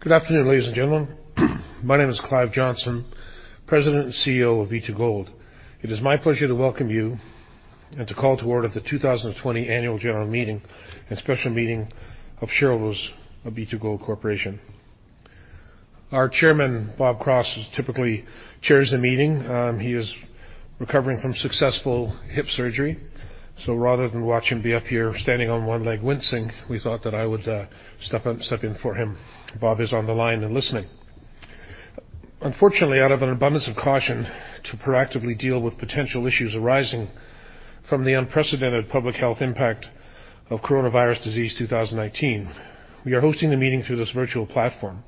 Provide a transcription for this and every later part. Good afternoon, ladies and gentlemen. My name is Clive Johnson, President and CEO of B2Gold. It is my pleasure to welcome you and to call to order the 2020 Annual General Meeting and Special Meeting of Shareholders of B2Gold Corp. Our chairman, Bob Cross, typically chairs the meeting. He is recovering from successful hip surgery, so rather than watch him be up here standing on one leg wincing, we thought that I would step in for him. Bob is on the line and listening. Unfortunately, out of an abundance of caution to proactively deal with potential issues arising from the unprecedented public health impact of coronavirus disease 2019, we are hosting the meeting through this virtual platform,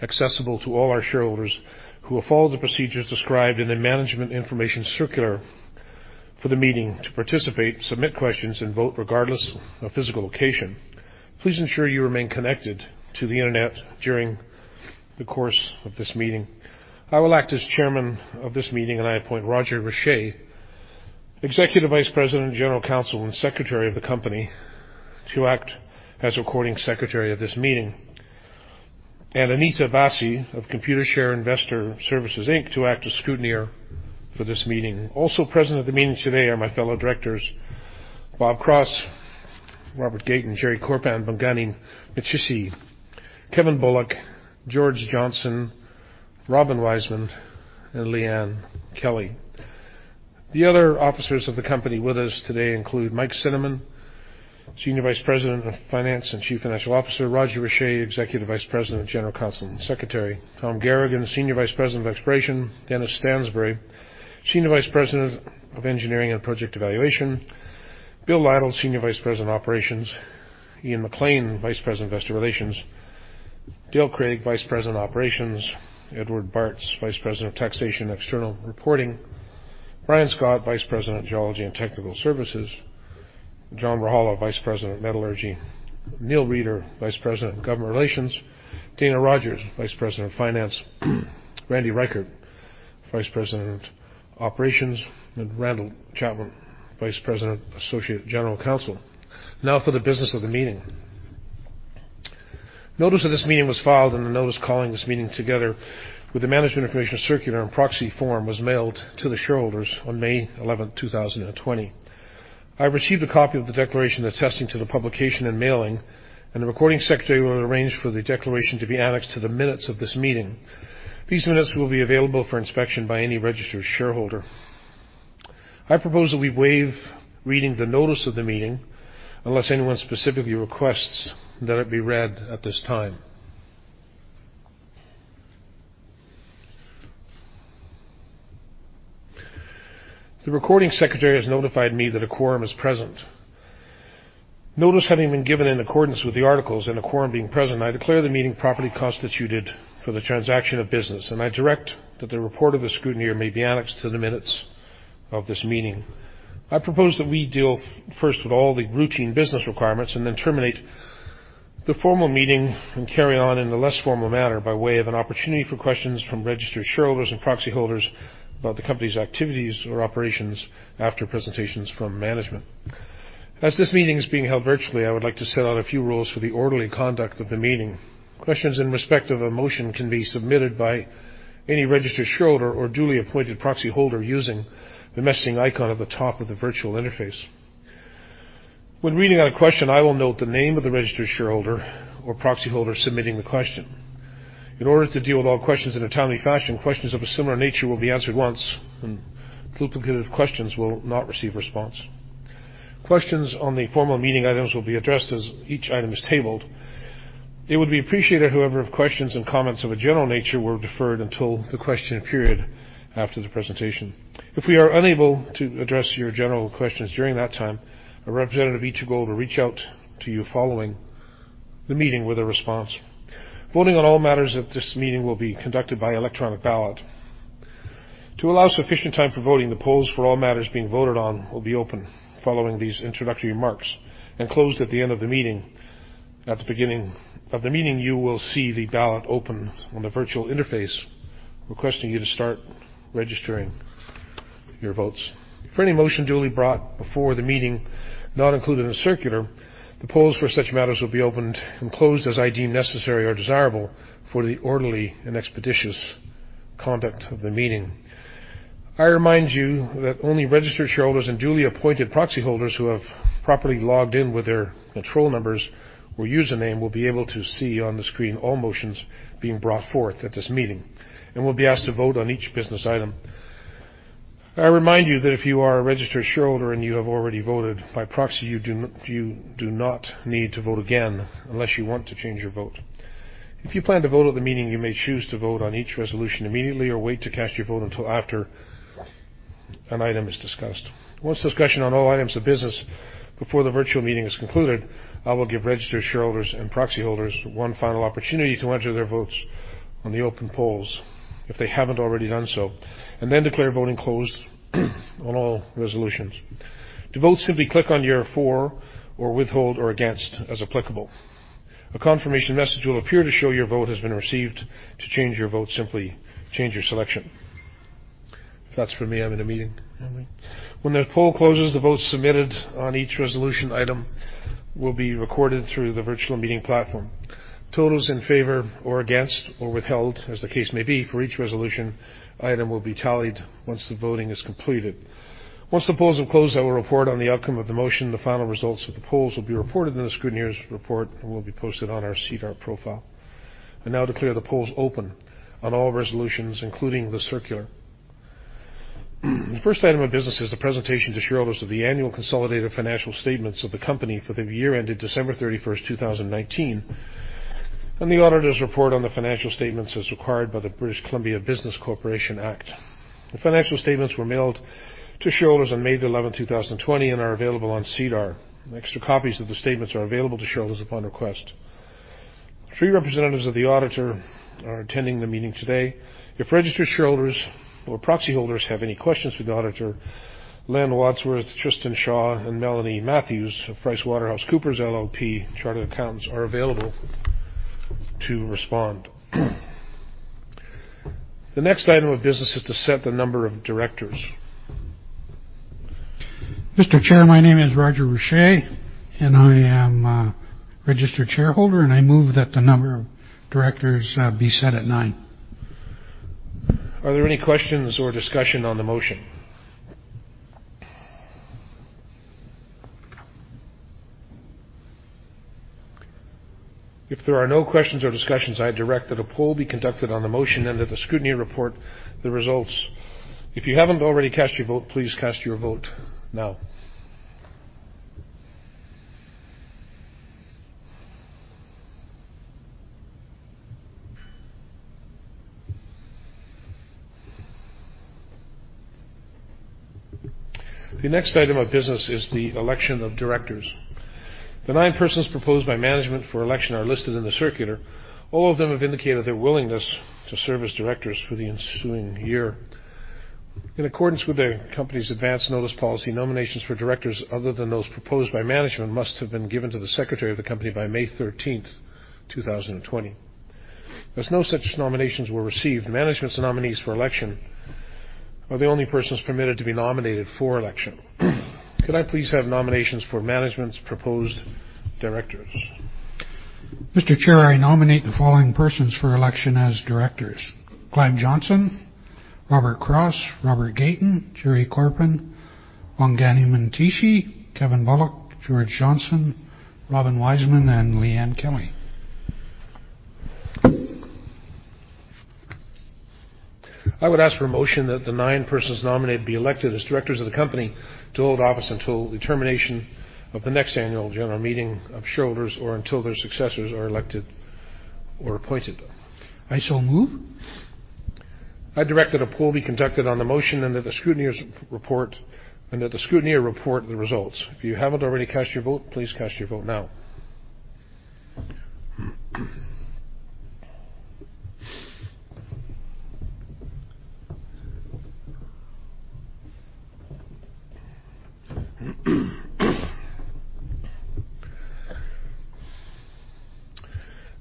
accessible to all our shareholders who have followed the procedures described in the management information circular for the meeting to participate, submit questions, and vote regardless of physical location. Please ensure you remain connected to the internet during the course of this meeting. I will act as Chairman of this meeting, and I appoint Roger Richer, Executive Vice President, General Counsel, and Secretary of the company, to act as recording secretary of this meeting, and Anita Vassy of Computershare Investor Services Inc., to act as scrutineer for this meeting. Also present at the meeting today are my fellow directors, Bob Cross, Robert Gayton, Jerry Korpan, Bongani Mtshisi, Kevin Bullock, George Johnson, Robin Weisman, and Liane Kelly. The other officers of the company with us today include Mike Cinnamond, Senior Vice President of Finance and Chief Financial Officer, Roger Richer, Executive Vice President, General Counsel, and Secretary, Tom Garagan, Senior Vice President of Exploration, Dennis Stansbury, Senior Vice President of Engineering and Project Evaluations, Will Lytle, Senior Vice President of Operations, Ian MacLean, Vice President of Investor Relations, Dale Craig, Vice President of Operations, Eduard Bartz, Vice President of Taxation and External Reporting, Brian Scott, Vice President of Geology and Technical Services, John Rajala, Vice President of Metallurgy, Neil Reeder, Vice President of Government Relations, Dana Rogers, Vice President of Finance, Randy Reichert, Vice President of Operations, and Randall Chatwin, Vice President, Associate General Counsel. Now for the business of the meeting. Notice of this meeting was filed and the notice calling this meeting, together with the management information circular and proxy form, was mailed to the shareholders on May 11, 2020. I have received a copy of the declaration attesting to the publication and mailing, and the recording secretary will arrange for the declaration to be annexed to the minutes of this meeting. These minutes will be available for inspection by any registered shareholder. I propose that we waive reading the notice of the meeting unless anyone specifically requests that it be read at this time. The recording secretary has notified me that a quorum is present. Notice having been given in accordance with the articles and a quorum being present, I declare the meeting properly constituted for the transaction of business, and I direct that the report of the scrutineer may be annexed to the minutes of this meeting. I propose that we deal first with all the routine business requirements and then terminate the formal meeting and carry on in a less formal manner by way of an opportunity for questions from registered shareholders and proxy holders about the company's activities or operations after presentations from management. As this meeting is being held virtually, I would like to set out a few rules for the orderly conduct of the meeting. Questions in respect of a motion can be submitted by any registered shareholder or duly appointed proxy holder using the messaging icon at the top of the virtual interface. When reading out a question, I will note the name of the registered shareholder or proxy holder submitting the question. In order to deal with all questions in a timely fashion, questions of a similar nature will be answered once, and duplicative questions will not receive a response. Questions on the formal meeting items will be addressed as each item is tabled. It would be appreciated, however, if questions and comments of a general nature were deferred until the question period after the presentation. If we are unable to address your general questions during that time, a representative of B2Gold will reach out to you following the meeting with a response. Voting on all matters at this meeting will be conducted by electronic ballot. To allow sufficient time for voting, the polls for all matters being voted on will be open following these introductory remarks and closed at the end of the meeting. At the beginning of the meeting, you will see the ballot open on the virtual interface, requesting you to start registering your votes. For any motion duly brought before the meeting not included in the circular, the polls for such matters will be opened and closed as I deem necessary or desirable for the orderly and expeditious conduct of the meeting. I remind you that only registered shareholders and duly appointed proxy holders who have properly logged in with their control numbers or username will be able to see on the screen all motions being brought forth at this meeting and will be asked to vote on each business item. I remind you that if you are a registered shareholder and you have already voted by proxy, you do not need to vote again unless you want to change your vote. If you plan to vote at the meeting, you may choose to vote on each resolution immediately or wait to cast your vote until after an item is discussed. Once discussion on all items of business before the virtual meeting is concluded, I will give registered shareholders and proxy holders one final opportunity to enter their votes on the open polls if they haven't already done so, and then declare voting closed on all resolutions. To vote, simply click on your for or withhold or against as applicable. A confirmation message will appear to show your vote has been received. To change your vote, simply change your selection. If that's for me, I'm in a meeting. When the poll closes, the votes submitted on each resolution item will be recorded through the virtual meeting platform. Totals in favor or against, or withheld as the case may be, for each resolution item will be tallied once the voting is completed. Once the polls have closed, I will report on the outcome of the motion. The final results of the polls will be reported in the scrutineer's report and will be posted on our SEDAR profile. Now declare the polls open on all resolutions, including the circular. The first item of business is the presentation to shareholders of the annual consolidated financial statements of the company for the year ended December 31st, 2019, and the auditor's report on the financial statements as required by the British Columbia Business Corporations Act. The financial statements were mailed to shareholders on May 11th, 2020, and are available on SEDAR. Extra copies of the statements are available to shareholders upon request. Three representatives of the auditor are attending the meeting today. If registered shareholders or proxy holders have any questions for the auditor, Len Wadsworth, Tristan Shaw, and Melanie Matthews of PricewaterhouseCoopers LLP Chartered Accountants are available to respond. The next item of business is to set the number of directors. Mr. Chair, my name is Roger Rouche. I am a registered shareholder. I move that the number of directors be set at nine. Are there any questions or discussion on the motion? If there are no questions or discussions, I direct that a poll be conducted on the motion and that the scrutineer report the results. If you haven't already cast your vote, please cast your vote now. The next item of business is the election of directors. The nine persons proposed by management for election are listed in the circular. All of them have indicated their willingness to serve as directors for the ensuing year. In accordance with the company's advance notice policy, nominations for directors other than those proposed by management must have been given to the secretary of the company by May 13th, 2020. No such nominations were received, management's nominees for election are the only persons permitted to be nominated for election. Could I please have nominations for management's proposed directors? Mr. Chair, I nominate the following persons for election as directors: Glenn Johnson, Robert Cross, Robert Gayton, Jerry Korpan, Bongani Mtshisi, Kevin Bullock, George Johnson, Robin Weisman, and Liane Kelly. I would ask for a motion that the nine persons nominated be elected as directors of the company to hold office until the termination of the next annual general meeting of shareholders or until their successors are elected or appointed. I so move. I direct that a poll be conducted on the motion and that the scrutineer report the results. If you haven't already cast your vote, please cast your vote now.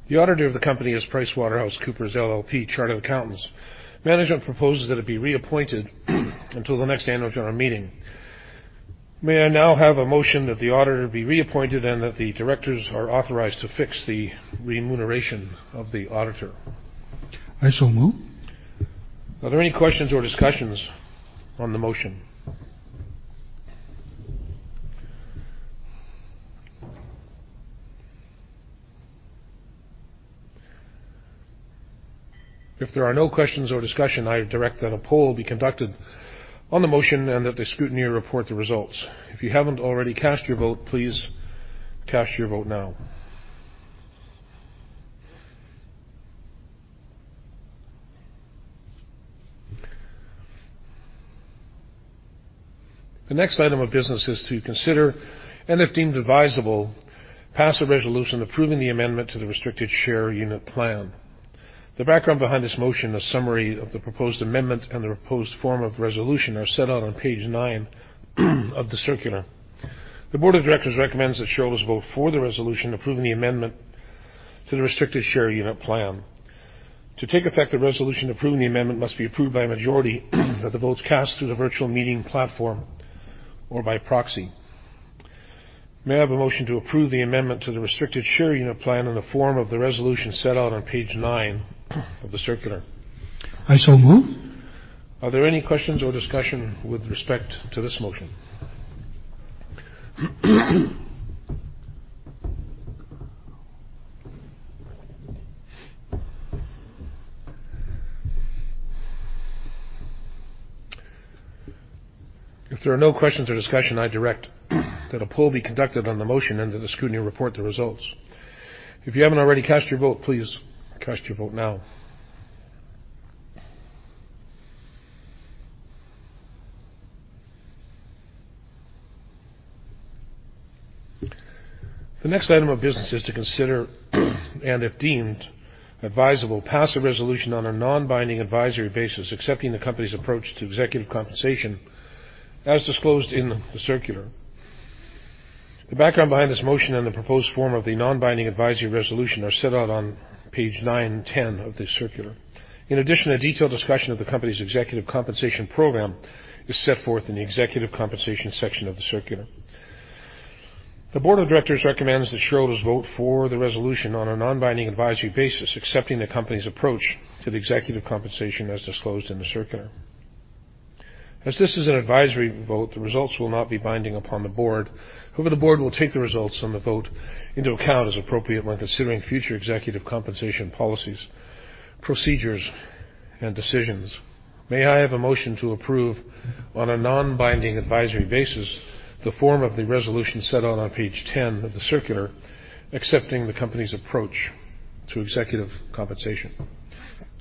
The auditor of the company is PricewaterhouseCoopers LLP Chartered Accountants. Management proposes that it be reappointed until the next annual general meeting. May I now have a motion that the auditor be reappointed and that the directors are authorized to fix the remuneration of the auditor? I so move. Are there any questions or discussions on the motion? If there are no questions or discussion, I direct that a poll be conducted on the motion and that the scrutineer report the results. If you haven't already cast your vote, please cast your vote now. The next item of business is to consider, and if deemed advisable, pass a resolution approving the amendment to the Restricted Share Unit Plan. The background behind this motion, a summary of the proposed amendment, and the proposed form of resolution are set out on page nine of the circular. The board of directors recommends that shareholders vote for the resolution approving the amendment to the Restricted Share Unit Plan. To take effect, the resolution approving the amendment must be approved by a majority of the votes cast through the virtual meeting platform or by proxy. May I have a motion to approve the amendment to the Restricted Share Unit Plan in the form of the resolution set out on page nine of the circular? I so move. Are there any questions or discussion with respect to this motion? If there are no questions or discussion, I direct that a poll be conducted on the motion and that the scrutineer report the results. If you haven't already cast your vote, please cast your vote now. The next item of business is to consider, and if deemed advisable, pass a resolution on a non-binding advisory basis accepting the company's approach to executive compensation as disclosed in the circular. The background behind this motion and the proposed form of the non-binding advisory resolution are set out on page nine and 10 of this circular. In addition, a detailed discussion of the company's executive compensation program is set forth in the executive compensation section of the circular. The board of directors recommends that shareholders vote for the resolution on a non-binding advisory basis, accepting the company's approach to the executive compensation as disclosed in the circular. As this is an advisory vote, the results will not be binding upon the board. However, the board will take the results on the vote into account as appropriate when considering future executive compensation policies, procedures, and decisions. May I have a motion to approve on a non-binding advisory basis, the form of the resolution set out on page 10 of the circular, accepting the company's approach to executive compensation?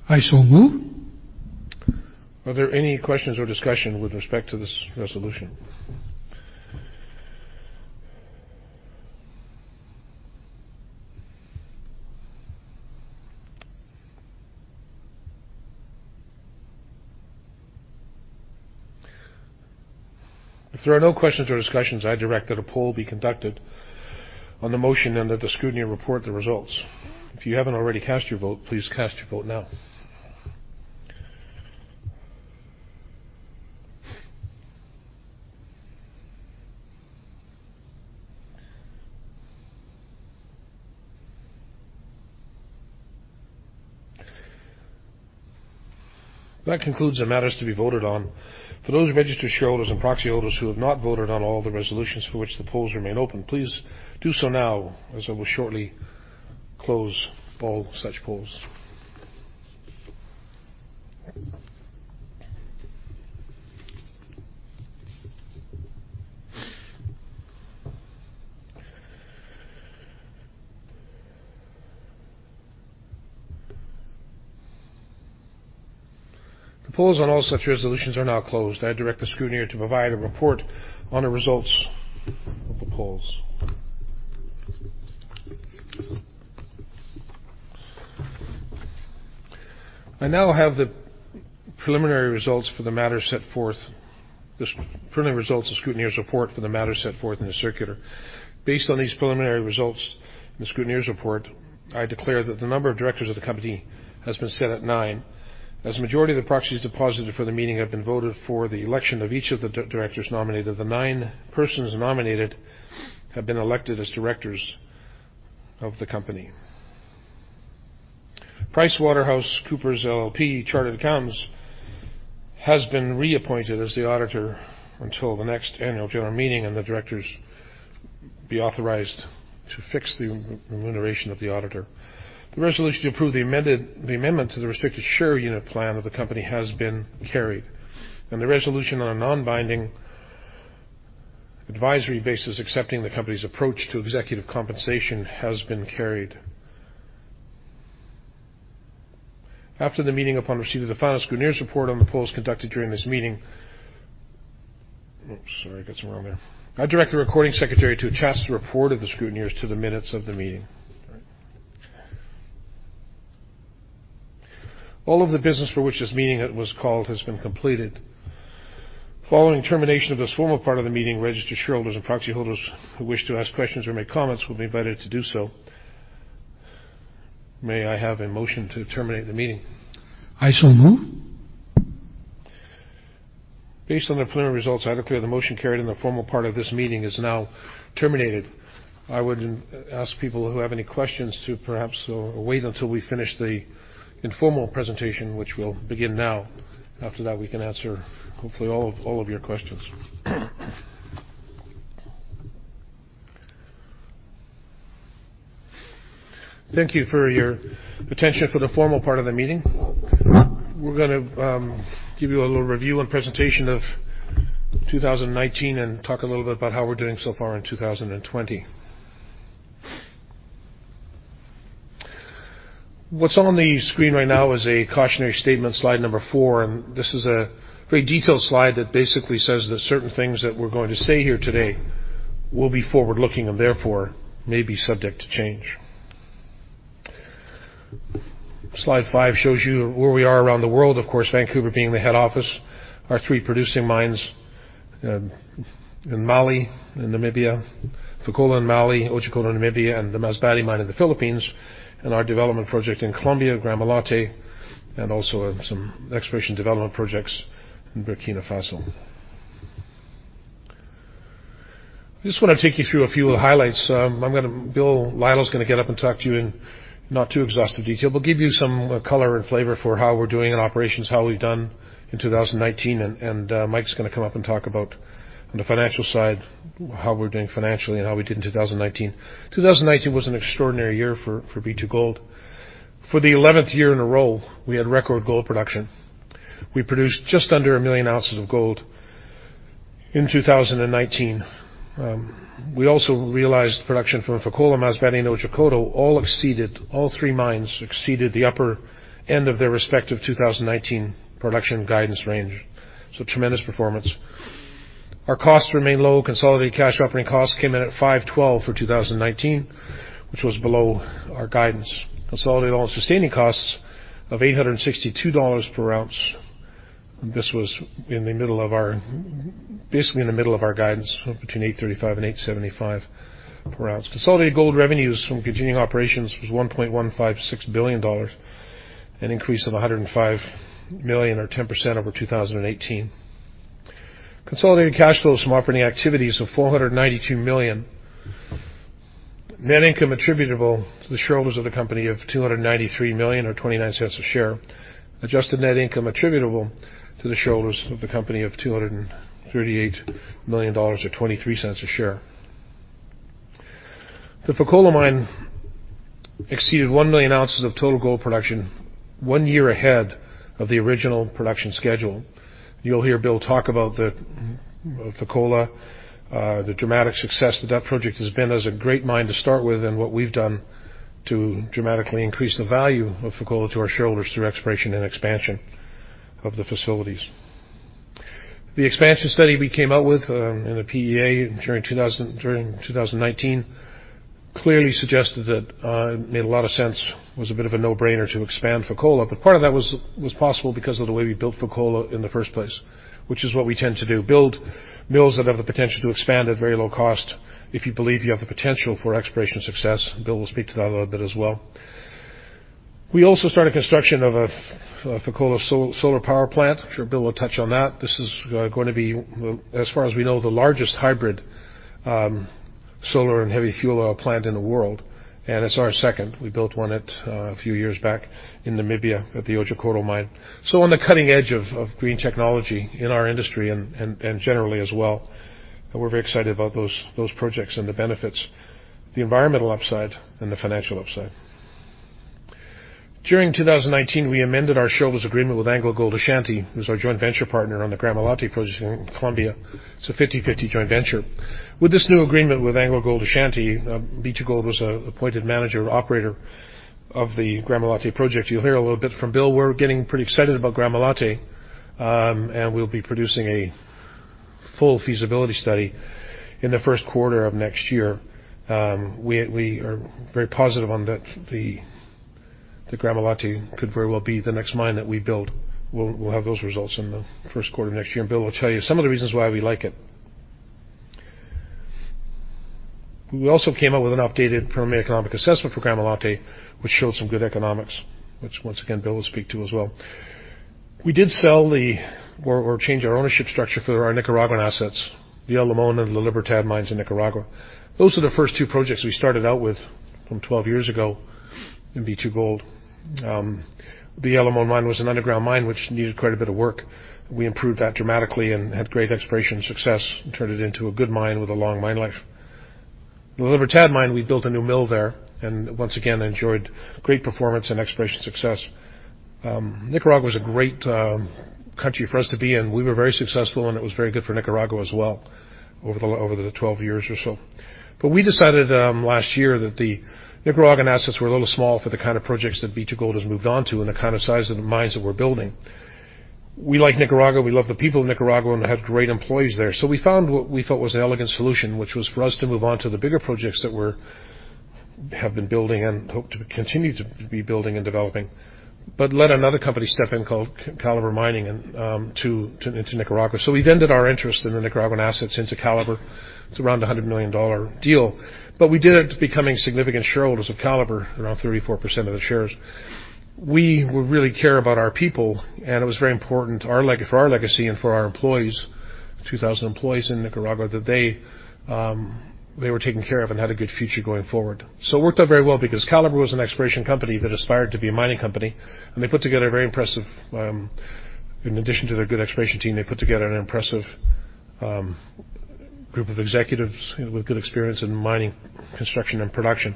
I so move. Are there any questions or discussion with respect to this resolution? If there are no questions or discussions, I direct that a poll be conducted on the motion and that the scrutineer report the results. If you haven't already cast your vote, please cast your vote now. That concludes the matters to be voted on. For those registered shareholders and proxy holders who have not voted on all of the resolutions for which the polls remain open, please do so now, as I will shortly close all such polls. The polls on all such resolutions are now closed. I direct the scrutineer to provide a report on the results of the polls. I now have the preliminary results of scrutineer's report for the matter set forth in the circular. Based on these preliminary results in the scrutineer's report, I declare that the number of directors of the company has been set at nine. As the majority of the proxies deposited for the meeting have been voted for the election of each of the directors nominated, the nine persons nominated have been elected as directors of the company. PricewaterhouseCoopers LLP Chartered Accountants has been reappointed as the auditor until the next annual general meeting and the directors be authorized to fix the remuneration of the auditor. The resolution to approve the amendment to the Restricted Share Unit Plan of the company has been carried. The resolution on a non-binding advisory basis accepting the company's approach to executive compensation has been carried. After the meeting, upon receipt of the final scrutineer's report on the polls conducted during this meeting, oops, sorry, got some wrong there. I direct the recording secretary to attach the report of the scrutineers to the minutes of the meeting. All of the business for which this meeting was called has been completed. Following termination of this formal part of the meeting, registered shareholders and proxy holders who wish to ask questions or make comments will be invited to do so. May I have a motion to terminate the meeting? I so move. Based on the preliminary results, I declare the motion carried and the formal part of this meeting is now terminated. I would ask people who have any questions to perhaps wait until we finish the informal presentation, which will begin now. After that, we can answer hopefully all of your questions. Thank you for your attention for the formal part of the meeting. We're going to give you a little review and presentation of 2019 and talk a little bit about how we're doing so far in 2020. What's on the screen right now is a cautionary statement, slide number four, and this is a very detailed slide that basically says that certain things that we're going to say here today will be forward-looking and therefore may be subject to change. Slide five shows you where we are around the world. Of course, Vancouver being the head office. Our three producing mines in Mali and Namibia, Fekola in Mali, Otjikoto in Namibia, and the Masbate Mine in the Philippines, and our development project in Colombia, Gramalote, and also some exploration development projects in Burkina Faso. I just want to take you through a few highlights. Lytle is going to get up and talk to you in not too exhaustive detail, but give you some color and flavor for how we're doing in operations, how we've done in 2019, and Mike's going to come up and talk about on the financial side, how we're doing financially and how we did in 2019. 2019 was an extraordinary year for B2Gold. For the 11th year in a row, we had record gold production. We produced just under 1 million ounces of gold in 2019. We also realized production from Fekola, Masbate, and Otjikoto. All three mines exceeded the upper end of their respective 2019 production guidance range. Tremendous performance. Our costs remain low. Consolidated cash operating costs came in at 512 for 2019, which was below our guidance. Consolidated all-in sustaining costs of 862 dollars per ounce. This was basically in the middle of our guidance between 835- 875 per ounce. Consolidated gold revenues from continuing operations was 1.156 billion dollars, an increase of 105 million or 10% over 2018. Consolidated cash flows from operating activities of 492 million. Net income attributable to the shareholders of the company of 293 million, or 0.29 a share. Adjusted net income attributable to the shareholders of the company of 238 million dollars, or 0.23 a share. The Fekola mine exceeded 1 million ounces of total gold production one year ahead of the original production schedule. You'll hear Bill talk about Fekola, the dramatic success that that project has been as a great mine to start with, and what we've done to dramatically increase the value of Fekola to our shareholders through exploration and expansion of the facilities. The expansion study we came out with in the PEA during 2019 clearly suggested that it made a lot of sense, was a bit of a no-brainer to expand Fekola. Part of that was possible because of the way we built Fekola in the first place, which is what we tend to do, build mills that have the potential to expand at very low cost if you believe you have the potential for exploration success. Bill will speak to that a little bit as well. We also started construction of a Fekola solar power plant. I'm sure Bill will touch on that. This is going to be, as far as we know, the largest hybrid solar and heavy fuel oil plant in the world, and it's our second. We built one a few years back in Namibia at the Otjikoto Mine. On the cutting edge of green technology in our industry and generally as well. We're very excited about those projects and the benefits, the environmental upside and the financial upside. During 2019, we amended our shareholders' agreement with AngloGold Ashanti, who's our joint venture partner on the Gramalote Project in Colombia. It's a 50/50 joint venture. With this new agreement with AngloGold Ashanti, B2Gold was appointed manager and operator of the Gramalote Project. You'll hear a little bit from Will. We're getting pretty excited about Gramalote, and we'll be producing a full feasibility study in the first quarter of next year. We are very positive on that Gramalote could very well be the next mine that we build. We'll have those results in the first quarter of next year, and Will will tell you some of the reasons why we like it. We also came up with an updated preliminary economic assessment for Gramalote, which showed some good economics, which once again, Will will speak to as well. We did sell or change our ownership structure for our Nicaraguan assets, the El Limon and the Libertad mines in Nicaragua. Those are the first two projects we started out with from 12 years ago in B2Gold. The El Limon mine was an underground mine, which needed quite a bit of work. We improved that dramatically and had great exploration success and turned it into a good mine with a long mine life. The Libertad Mine, we built a new mill there, and once again, enjoyed great performance and exploration success. Nicaragua is a great country for us to be in. We were very successful, and it was very good for Nicaragua as well over the 12 years or so. We decided last year that the Nicaraguan assets were a little small for the kind of projects that B2Gold has moved on to and the kind of size of the mines that we're building. We like Nicaragua. We love the people of Nicaragua and have great employees there. We found what we thought was an elegant solution, which was for us to move on to the bigger projects that we have been building and hope to continue to be building and developing. Let another company step in called Calibre Mining into Nicaragua. We've ended our interest in the Nicaraguan assets into Calibre. It's around 100 million dollar deal. We did end up becoming significant shareholders of Calibre, around 34% of the shares. We really care about our people, and it was very important for our legacy and for our employees, 2,000 employees in Nicaragua, that they were taken care of and had a good future going forward. It worked out very well because Calibre was an exploration company that aspired to be a mining company, and in addition to their good exploration team, they put together an impressive group of executives with good experience in mining, construction, and production.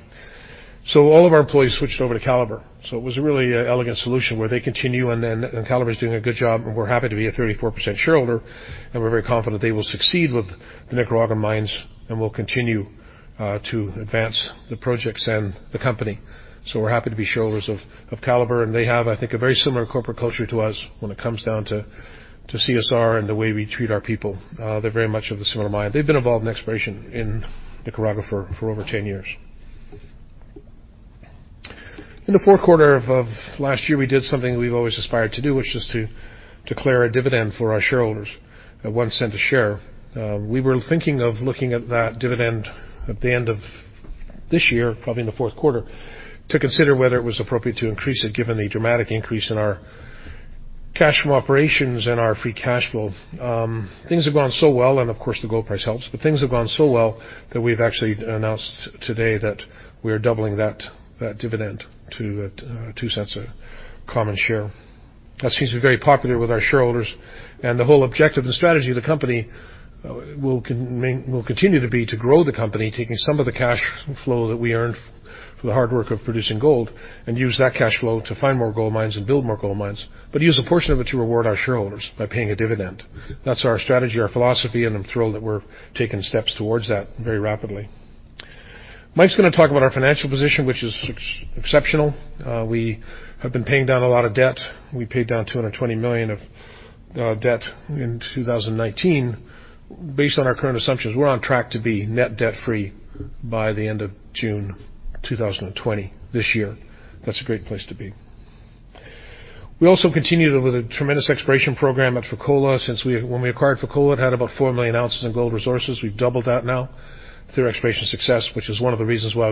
All of our employees switched over to Calibre. It was really an elegant solution where they continue, and Calibre is doing a good job, and we're happy to be a 34% shareholder, and we're very confident they will succeed with the Nicaraguan mines and will continue to advance the projects and the company. We're happy to be shareholders of Calibre, and they have, I think, a very similar corporate culture to us when it comes down to CSR and the way we treat our people. They're very much of a similar mind. They've been involved in exploration in Nicaragua for over 10 years. In the fourth quarter of last year, we did something we've always aspired to do, which is to declare a dividend for our shareholders at 0.01 a share. We were thinking of looking at that dividend at the end of this year, probably in the fourth quarter, to consider whether it was appropriate to increase it, given the dramatic increase in our cash from operations and our free cash flow. Things have gone so well, and of course, the gold price helps. Things have gone so well that we've actually announced today that we are doubling that dividend to 0.02 a common share. That seems to be very popular with our shareholders. The whole objective and strategy of the company will continue to be to grow the company, taking some of the cash flow that we earned for the hard work of producing gold and use that cash flow to find more gold mines and build more gold mines, but use a portion of it to reward our shareholders by paying a dividend. That's our strategy, our philosophy, and I'm thrilled that we're taking steps towards that very rapidly. Mike's going to talk about our financial position, which is exceptional. We have been paying down a lot of debt. We paid down 220 million of debt in 2019. Based on our current assumptions, we're on track to be net debt-free by the end of June 2020, this year. That's a great place to be. We also continued with a tremendous exploration program at Fekola. When we acquired Fekola, it had about four million ounces in gold resources. We've doubled that now through exploration success, which is one of the reasons why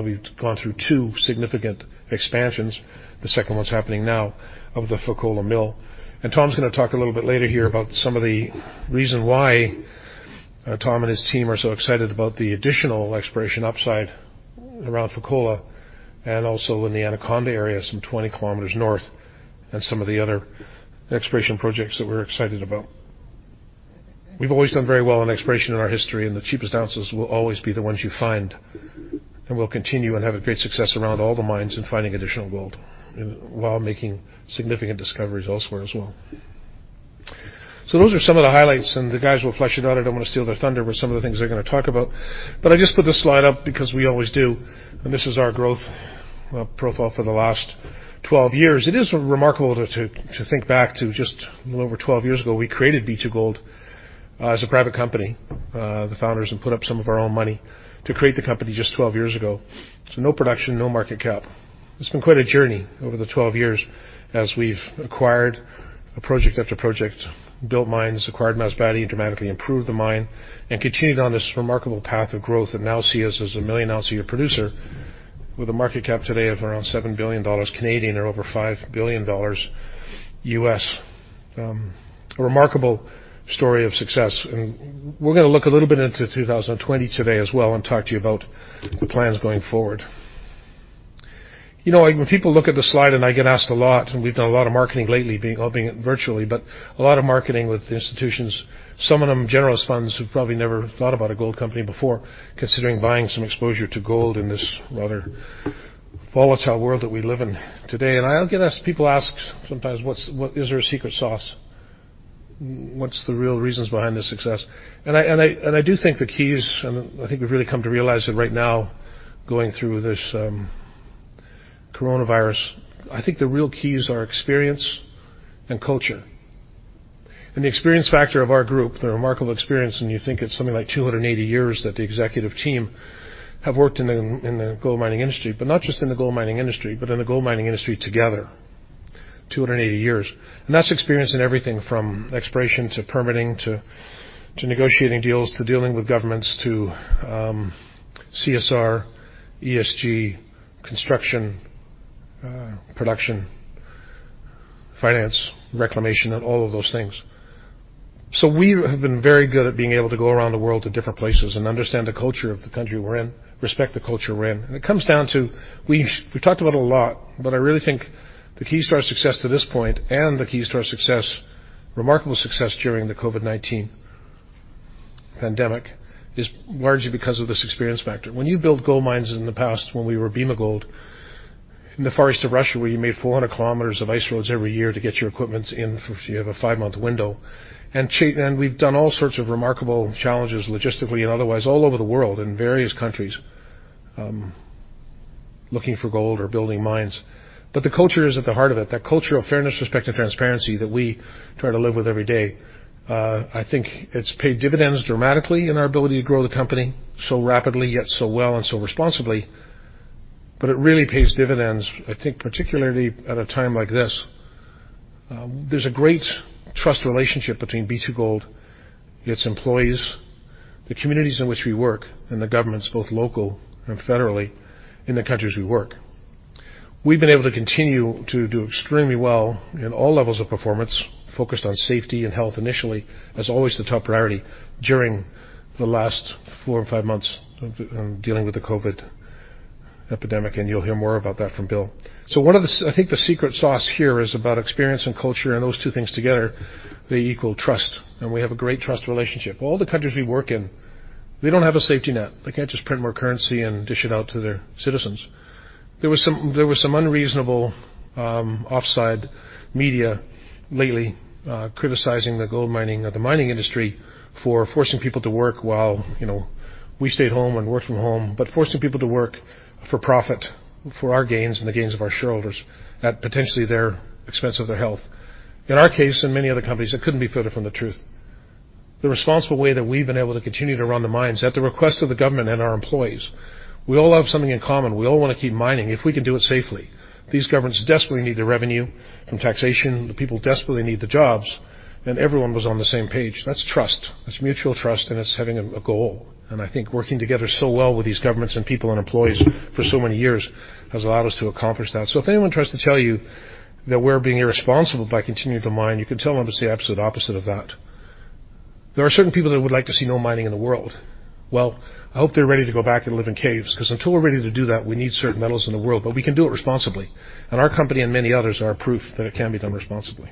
we've gone through two significant expansions, the second one's happening now, of the Fekola mill. Tom's going to talk a little bit later here about some of the reason why Tom and his team are so excited about the additional exploration upside around Fekola, and also in the Anaconda area, some 20 km north, and some of the other exploration projects that we're excited about. We've always done very well in exploration in our history, and the cheapest ounces will always be the ones you find. We'll continue and have a great success around all the mines in finding additional gold while making significant discoveries elsewhere as well. Those are some of the highlights, and the guys will flesh it out. I don't want to steal their thunder with some of the things they're going to talk about. I just put this slide up because we always do, and this is our growth profile for the last 12 years. It is remarkable to think back to just a little over 12 years ago, we created B2Gold as a private company. The founders had put up some of our own money to create the company just 12 years ago. No production, no market cap. It's been quite a journey over the 12 years as we've acquired project after project, built mines, acquired Masbate, and dramatically improved the mine, and continued on this remarkable path of growth, and now see us as a million-ounce a year producer with a market cap today of around 7 billion Canadian dollars or over $5 billion. A remarkable story of success. We're going to look a little bit into 2020 today as well and talk to you about the plans going forward. When people look at the slide, and I get asked a lot, and we've done a lot of marketing lately, being virtually, but a lot of marketing with institutions, some of them generalist funds who've probably never thought about a gold company before considering buying some exposure to gold in this rather volatile world that we live in today. I'll get people ask sometimes, is there a secret sauce? What's the real reasons behind this success? I do think the keys, and I think we've really come to realize that right now going through this coronavirus, I think the real keys are experience and culture. The experience factor of our group, the remarkable experience, you think it's something like 280 years that the executive team have worked in the gold mining industry, but not just in the gold mining industry, but in the gold mining industry together, 280 years. That's experience in everything from exploration to permitting, to negotiating deals, to dealing with governments, to CSR, ESG, construction, production, finance, reclamation, and all of those things. We have been very good at being able to go around the world to different places and understand the culture of the country we're in, respect the culture we're in. It comes down to, we've talked about a lot, but I really think the keys to our success to this point and the keys to our remarkable success during the COVID-19 pandemic is largely because of this experience factor. When you build gold mines in the past, when we were Bema Gold, in the far east of Russia, where you made 400 km of ice roads every year to get your equipments in, you have a five-month window. We've done all sorts of remarkable challenges logistically and otherwise all over the world in various countries looking for gold or building mines. The culture is at the heart of it, that culture of fairness, respect, and transparency that we try to live with every day. I think it's paid dividends dramatically in our ability to grow the company so rapidly, yet so well and so responsibly, but it really pays dividends, I think, particularly at a time like this. There's a great trust relationship between B2Gold, its employees, the communities in which we work, and the governments, both local and federally, in the countries we work. We've been able to continue to do extremely well in all levels of performance, focused on safety and health initially as always the top priority during the last four or five months of dealing with the COVID-19 epidemic, and you'll hear more about that from Will. I think the secret sauce here is about experience and culture and those two things together, they equal trust, and we have a great trust relationship. All the countries we work in, they don't have a safety net. They can't just print more currency and dish it out to their citizens. There was some unreasonable offside media lately criticizing the mining industry for forcing people to work while we stayed home and worked from home, but forcing people to work for profit, for our gains and the gains of our shareholders at potentially their expense of their health. In our case, and many other companies, it couldn't be further from the truth. The responsible way that we've been able to continue to run the mines at the request of the government and our employees, we all have something in common. We all want to keep mining if we can do it safely. These governments desperately need the revenue from taxation. The people desperately need the jobs, everyone was on the same page. That's trust. That's mutual trust, it's having a goal. I think working together so well with these governments and people and employees for so many years has allowed us to accomplish that. If anyone tries to tell you that we're being irresponsible by continuing to mine, you can tell them it's the absolute opposite of that. There are certain people that would like to see no mining in the world. Well, I hope they are ready to go back and live in caves, because until we are ready to do that, we need certain metals in the world, but we can do it responsibly. Our company and many others are proof that it can be done responsibly.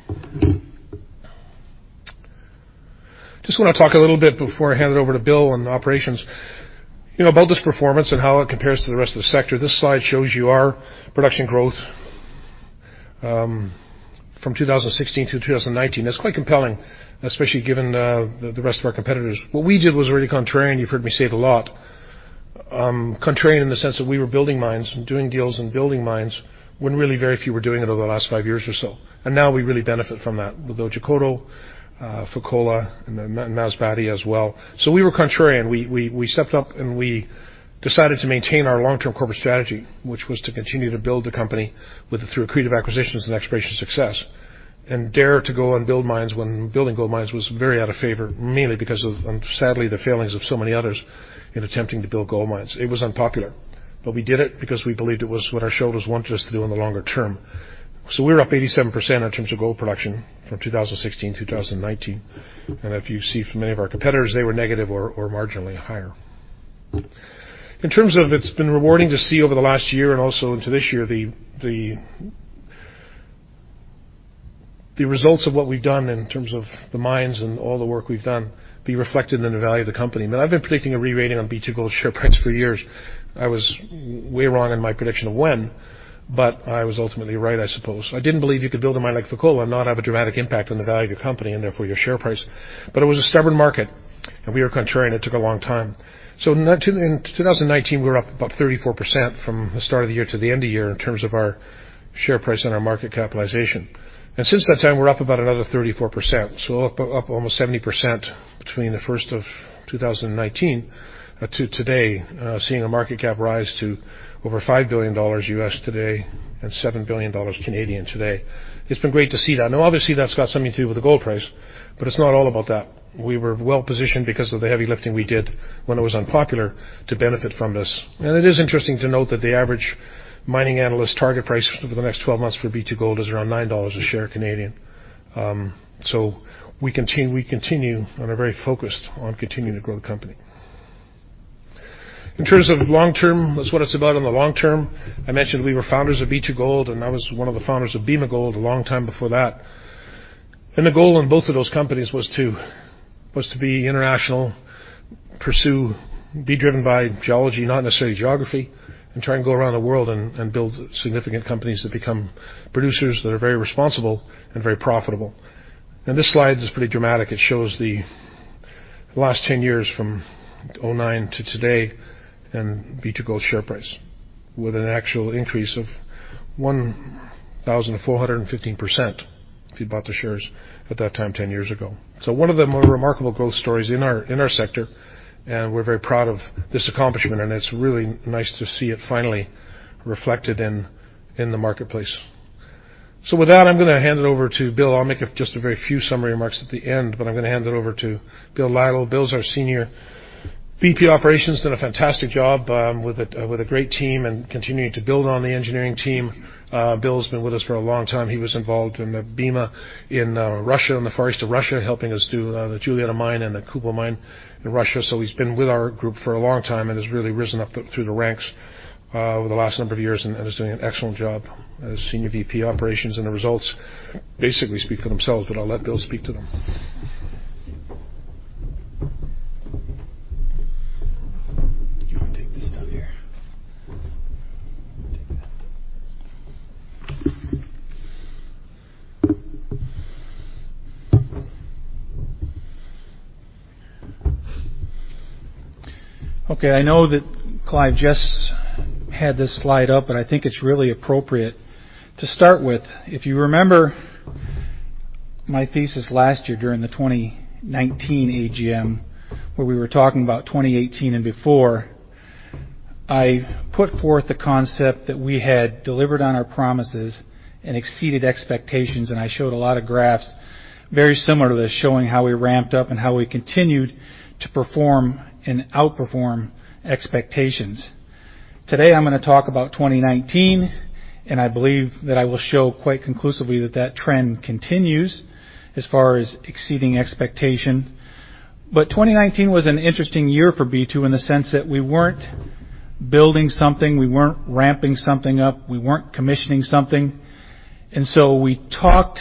I just want to talk a little bit before I hand it over to Will on operations about this performance and how it compares to the rest of the sector. This slide shows you our production growth from 2016-2019. That is quite compelling, especially given the rest of our competitors. What we did was really contrarian. You have heard me say it a lot. Contrarian in the sense that we were building mines and doing deals and building mines when really very few were doing it over the last five years or so. Now we really benefit from that with Otjikoto, Fekola, and Masbate as well. We were contrarian. We stepped up, and we decided to maintain our long-term corporate strategy, which was to continue to build the company through accretive acquisitions and exploration success, and dare to go and build mines when building gold mines was very out of favor, mainly because of, sadly, the failings of so many others in attempting to build gold mines. It was unpopular, but we did it because we believed it was what our shareholders wanted us to do in the longer term. We're up 87% in terms of gold production from 2016-2019. If you see for many of our competitors, they were negative or marginally higher. In terms of it's been rewarding to see over the last year and also into this year, the results of what we've done in terms of the mines and all the work we've done be reflected in the value of the company. I've been predicting a re-rating on B2Gold's share price for years. I was way wrong in my prediction of when, but I was ultimately right, I suppose. I didn't believe you could build a mine like Fekola and not have a dramatic impact on the value of your company and therefore your share price. It was a stubborn market, and we were contrarian. It took a long time. In 2019, we were up about 34% from the start of the year to the end of year in terms of our share price and our market capitalization. Since that time, we're up about another 34%, so up almost 70% between the first of 2019 to today, seeing a market cap rise to over $5 billion today and 7 billion Canadian dollars today. It's been great to see that. Obviously, that's got something to do with the gold price, but it's not all about that. We were well-positioned because of the heavy lifting we did when it was unpopular to benefit from this. It is interesting to note that the average mining analyst target price for the next 12 months for B2Gold is around 9 dollars a share. We continue and are very focused on continuing to grow the company. In terms of long term, that's what it's about in the long term. I mentioned we were founders of B2Gold, and I was one of the founders of Bema Gold a long time before that. The goal in both of those companies was to be international, pursue, be driven by geology, not necessarily geography, and try and go around the world and build significant companies that become producers that are very responsible and very profitable. This slide is pretty dramatic. It shows the last 10 years from 2009 to today and B2Gold's share price with an actual increase of 1,415% if you bought the shares at that time 10 years ago. One of the more remarkable growth stories in our sector, and we're very proud of this accomplishment, and it's really nice to see it finally reflected in the marketplace. With that, I'm going to hand it over to Will. I'll make just a very few summary remarks at the end, but I'm going to hand it over to Will Lytle. Will is our Senior VP Operations. Done a fantastic job with a great team and continuing to build on the engineering team. Will's been with us for a long time. He was involved in Bema in Russia, in the Far East of Russia, helping us do the Julietta Mine and the Kupol Mine in Russia. He's been with our group for a long time and has really risen up through the ranks over the last number of years and is doing an excellent job as Senior Vice President, Operations. The results basically speak for themselves, but I'll let Will speak to them. Do you want to take this down here? Take that. Okay, I know that Clive just had this slide up. I think it's really appropriate to start with. If you remember my thesis last year during the 2019 AGM, where we were talking about 2018 and before, I put forth the concept that we had delivered on our promises and exceeded expectations. I showed a lot of graphs very similar to this, showing how we ramped up and how we continued to perform and outperform expectations. Today, I'm going to talk about 2019. I believe that I will show quite conclusively that that trend continues as far as exceeding expectation. 2019 was an interesting year for B2 in the sense that we weren't building something, we weren't ramping something up, we weren't commissioning something. We talked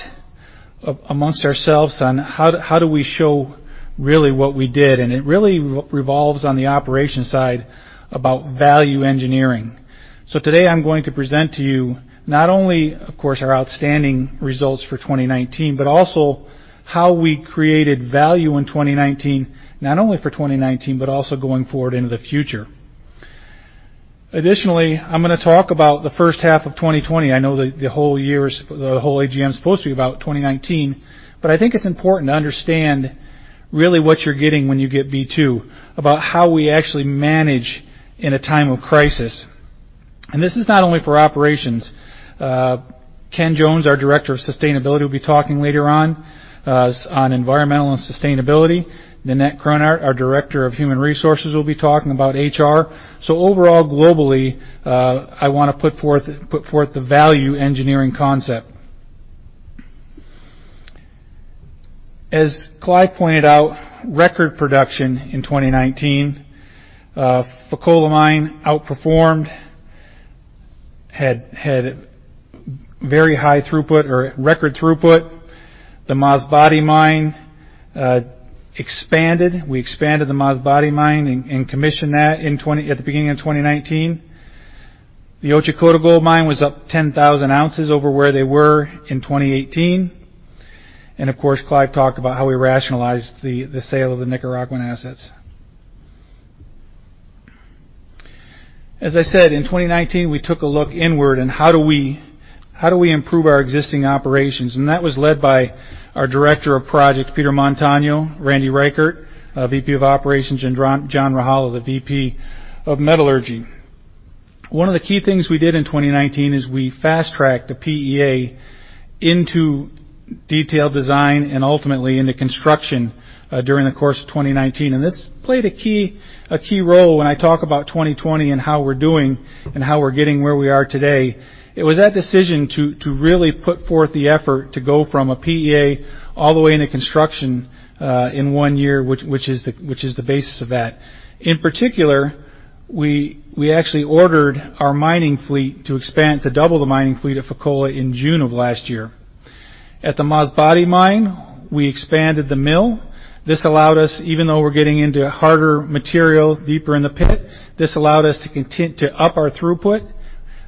amongst ourselves on how do we show really what we did, and it really revolves on the operations side about value engineering. Today I'm going to present to you not only, of course, our outstanding results for 2019, but also how we created value in 2019, not only for 2019, but also going forward into the future. Additionally, I'm going to talk about the first half of 2020. I know the whole AGM is supposed to be about 2019, but I think it's important to understand really what you're getting when you get B2, about how we actually manage in a time of crisis. This is not only for operations. Ken Jones, our Director of Sustainability, will be talking later on environmental and sustainability. Ninette Kröhnert, our Director of Human Resources, will be talking about HR. Overall, globally, I want to put forth the value engineering concept. As Clive pointed out, record production in 2019. Fekola Mine outperformed, had very high throughput or record throughput. The Masbate Mine expanded. We expanded the Masbate Mine and commissioned that at the beginning of 2019. The Otjikoto Gold Mine was up 10,000 ounces over where they were in 2018. Of course, Clive talked about how we rationalized the sale of the Nicaraguan assets. As I said, in 2019, we took a look inward on how do we improve our existing operations? That was led by our Director of Projects, Peter Montano, Randy Reichert, VP of Operations, and John Rajala, the VP of Metallurgy. One of the key things we did in 2019 is we fast-tracked the PEA into detailed design and ultimately into construction during the course of 2019. This played a key role when I talk about 2020 and how we're doing and how we're getting where we are today. It was that decision to really put forth the effort to go from a PEA all the way into construction in one year, which is the basis of that. In particular, we actually ordered our mining fleet to double the mining fleet at Fekola in June of last year. At the Masbate Mine, we expanded the mill. This allowed us, even though we're getting into harder material deeper in the pit, to up our throughput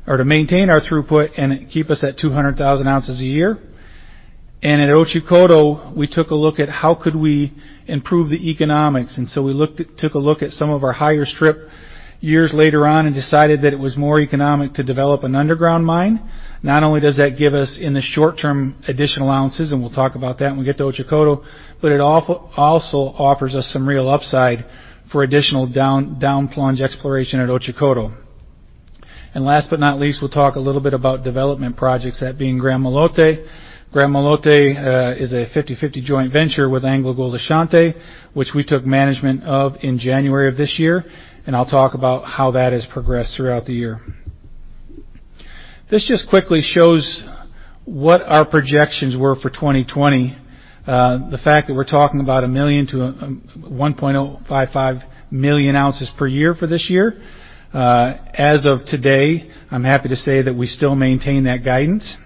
or to maintain our throughput and keep us at 200,000 ounces a year. At Otjikoto, we took a look at how could we improve the economics. We took a look at some of our higher strip years later on and decided that it was more economic to develop an underground mine. Not only does that give us, in the short term, additional ounces, and we'll talk about that when we get to Otjikoto, but it also offers us some real upside for additional down-plunge exploration at Otjikoto. Last but not least, we'll talk a little bit about development projects, that being Gramalote. Gramalote is a 50-50 joint venture with AngloGold Ashanti, which we took management of in January of this year, and I'll talk about how that has progressed throughout the year. This just quickly shows what our projections were for 2020. The fact that we're talking about 1 million to 1.55 million ounces per year for this year. As of today, I'm happy to say that we still maintain that guidance.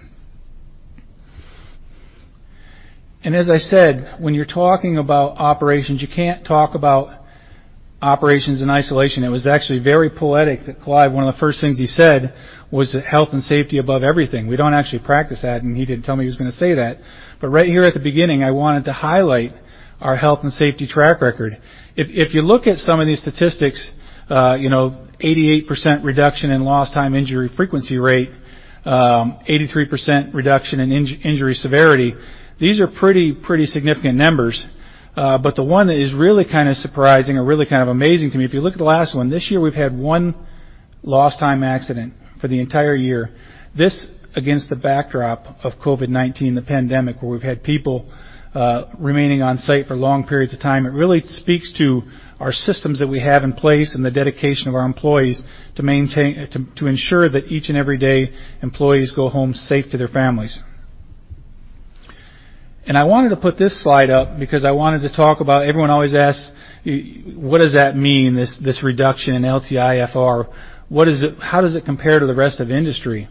As I said, when you're talking about operations, you can't talk about operations in isolation. It was actually very poetic that Clive, one of the first things he said was health and safety above everything. We don't actually practice that, and he didn't tell me he was going to say that. Right here at the beginning, I wanted to highlight our health and safety track record. If you look at some of these statistics, 88% reduction in lost time injury frequency rate, 83% reduction in injury severity. These are pretty significant numbers. The one that is really surprising or really amazing to me, if you look at the last one, this year, we've had one lost time accident for the entire year. This against the backdrop of COVID-19, the pandemic, where we've had people remaining on site for long periods of time. It really speaks to our systems that we have in place and the dedication of our employees to ensure that each and every day, employees go home safe to their families. I wanted to put this slide up because everyone always asks, what does that mean, this reduction in LTIFR? How does it compare to the rest of the industry?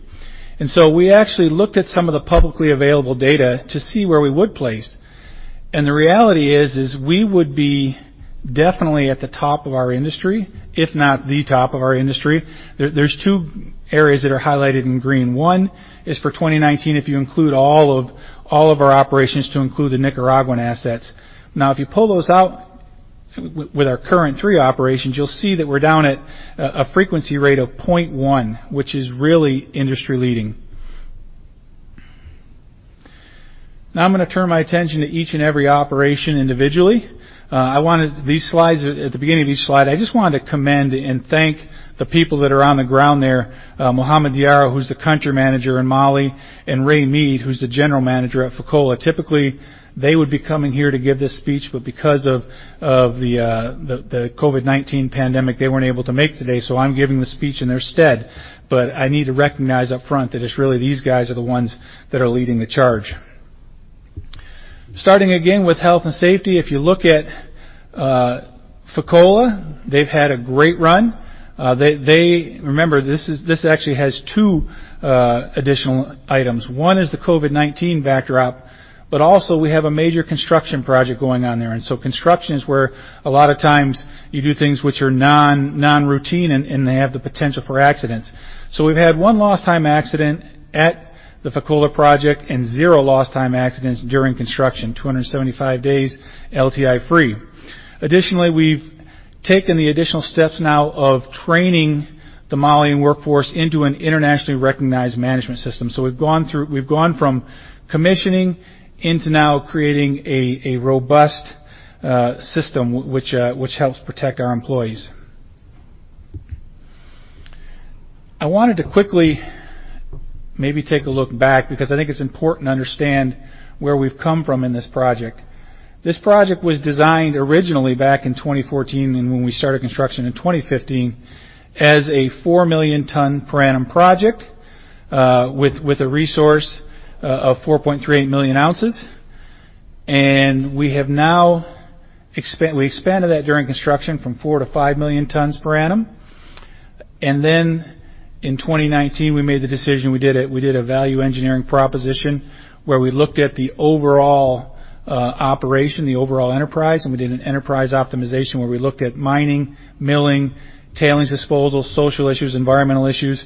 We actually looked at some of the publicly available data to see where we would place. The reality is we would be definitely at the top of our industry, if not the top of our industry. There's two areas that are highlighted in green. One is for 2019, if you include all of our operations to include the Nicaraguan assets. If you pull those out with our current three operations, you'll see that we're down at a frequency rate of 0.1, which is really industry-leading. I'm going to turn my attention to each and every operation individually. At the beginning of each slide, I just wanted to commend and thank the people that are on the ground there. Mohamed Diarra, who's the Country Manager in Mali, and Ray Mead, who's the General Manager at Fekola. Typically, they would be coming here to give this speech, but because of the COVID-19 pandemic, they weren't able to make it today, so I'm giving the speech in their stead. I need to recognize upfront that it's really these guys are the ones that are leading the charge. Starting again with health and safety, if you look at Fekola, they've had a great run. Remember, this actually has two additional items. One is the COVID-19 backdrop. Also, we have a major construction project going on there. Construction is where a lot of times you do things which are non-routine, and they have the potential for accidents. We've had one lost time accident at the Fekola project and zero lost time accidents during construction, 275 days LTI-free. Additionally, we've taken the additional steps now of training the Malian workforce into an internationally recognized management system. We've gone from commissioning into now creating a robust system which helps protect our employees. I wanted to quickly maybe take a look back because I think it's important to understand where we've come from in this project. This project was designed originally back in 2014. When we started construction in 2015, as a 4 million ton per annum project, with a resource of 4.38 million ounces. We expanded that during construction from 4-5 million tons per annum. In 2019, we made the decision, we did a value engineering proposition where we looked at the overall operation, the overall enterprise, and we did an enterprise optimization where we looked at mining, milling, tailings disposal, social issues, environmental issues.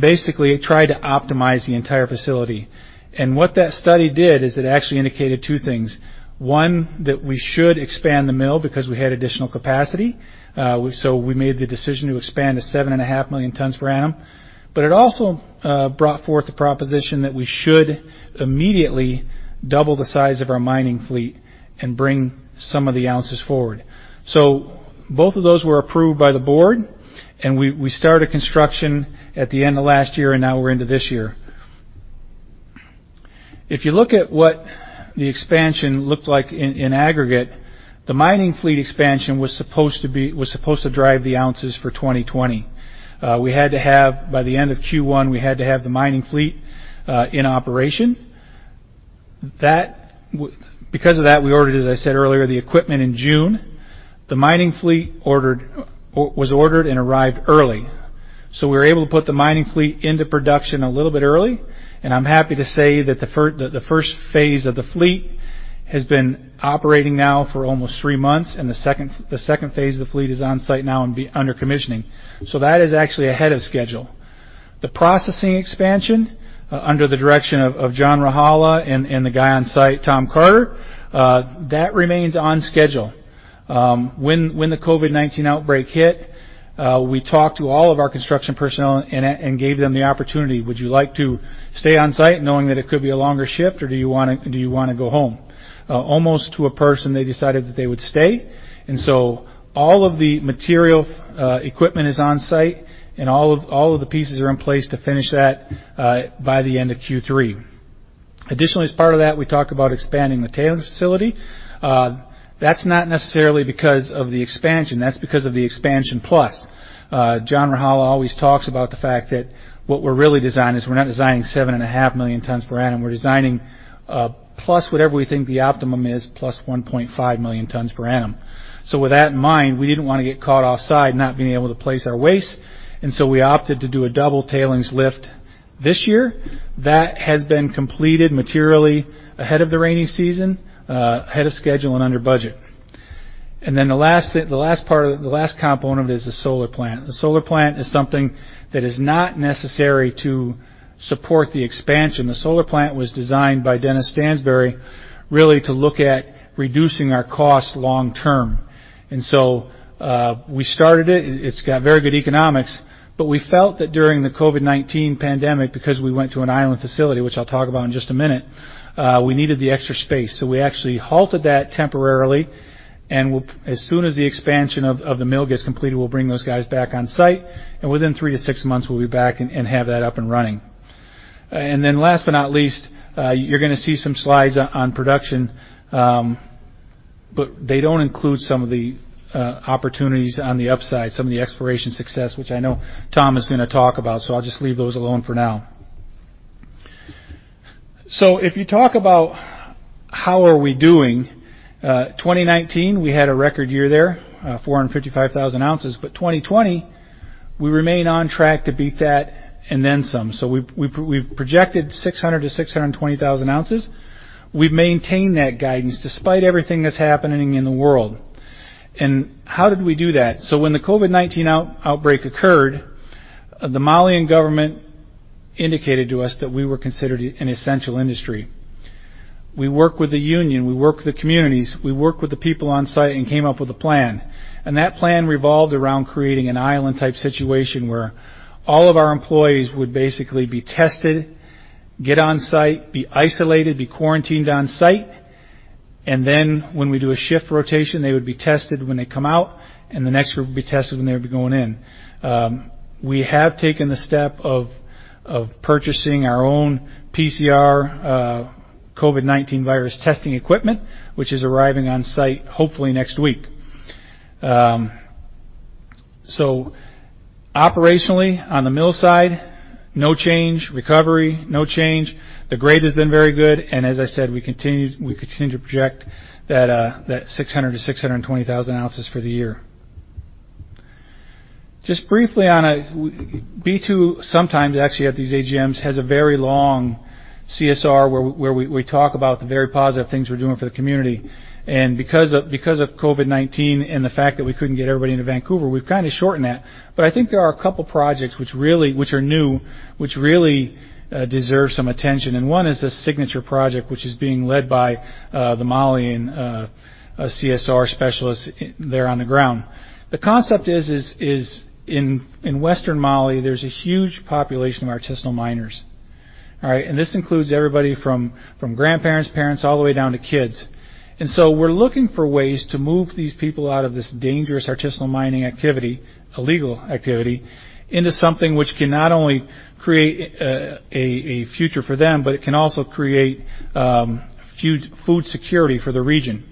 Basically, it tried to optimize the entire facility. What that study did is it actually indicated two things. One, that we should expand the mill because we had additional capacity, so we made the decision to expand to 7.5 million tons per annum. It also brought forth the proposition that we should immediately double the size of our mining fleet and bring some of the ounces forward. Both of those were approved by the board, and we started construction at the end of last year, and now we're into this year. If you look at what the expansion looked like in aggregate, the mining fleet expansion was supposed to drive the ounces for 2020. By the end of Q1, we had to have the mining fleet in operation. Because of that, we ordered, as I said earlier, the equipment in June. The mining fleet was ordered and arrived early. We were able to put the mining fleet into production a little bit early, and I'm happy to say that the first phase of the fleet has been operating now for almost three months, and the second phase of the fleet is on site now and under commissioning. That is actually ahead of schedule. The processing expansion, under the direction of John Rajala and the guy on site, Tom Carter, that remains on schedule. When the COVID-19 outbreak hit, we talked to all of our construction personnel and gave them the opportunity, would you like to stay on site knowing that it could be a longer shift, or do you want to go home? Almost to a person, they decided that they would stay. So all of the material equipment is on site, and all of the pieces are in place to finish that by the end of Q3. Additionally, as part of that, we talked about expanding the tailings facility. That's not necessarily because of the expansion. That's because of the expansion plus. John Rajala always talks about the fact that what we're really designing is we're not designing 7.5 million tons per annum. We're designing plus whatever we think the optimum is, +1.5 million tons per annum. With that in mind, we didn't want to get caught offside not being able to place our waste, we opted to do a double tailings lift this year. That has been completed materially ahead of the rainy season, ahead of schedule and under budget. The last component is the solar plant. The solar plant is something that is not necessary to support the expansion. The solar plant was designed by Dennis Stansbury, really to look at reducing our cost long term. We started it. It's got very good economics. We felt that during the COVID-19 pandemic, because we went to an island facility, which I'll talk about in just a minute, we needed the extra space. We actually halted that temporarily, and as soon as the expansion of the mill gets completed, we'll bring those guys back on site, and within three to six months we'll be back and have that up and running. Last but not least, you're going to see some slides on production, but they don't include some of the opportunities on the upside, some of the exploration success, which I know Tom is going to talk about, so I'll just leave those alone for now. If you talk about how are we doing, 2019, we had a record year there, 455,000 ounces. 2020, we remain on track to beat that and then some. We've projected 600,000-620,000 ounces. We've maintained that guidance despite everything that's happening in the world. How did we do that? When the COVID-19 outbreak occurred, the Malian government indicated to us that we were considered an essential industry. We work with the union, we work with the communities, we work with the people on site and came up with a plan. That plan revolved around creating an island type situation where all of our employees would basically be tested, get on site, be isolated, be quarantined on site. When we do a shift rotation, they would be tested when they come out, and the next group would be tested when they would be going in. We have taken the step of purchasing our own PCR COVID-19 virus testing equipment, which is arriving on site hopefully next week. Operationally on the mill side, no change. Recovery, no change. The grade has been very good, as I said, we continue to project that 600,000-620,000 ounces for the year. Just briefly, B2 sometimes actually at these AGMs has a very long CSR where we talk about the very positive things we're doing for the community. Because of COVID-19 and the fact that we couldn't get everybody into Vancouver, we've shortened that. I think there are a couple projects which are new, which really deserve some attention. One is a signature project, which is being led by the Malian CSR specialists there on the ground. The concept is in Western Mali, there's a huge population of artisanal miners. All right? This includes everybody from grandparents, parents, all the way down to kids. We're looking for ways to move these people out of this dangerous artisanal mining activity, illegal activity, into something which can not only create a future for them, but it can also create food security for the region.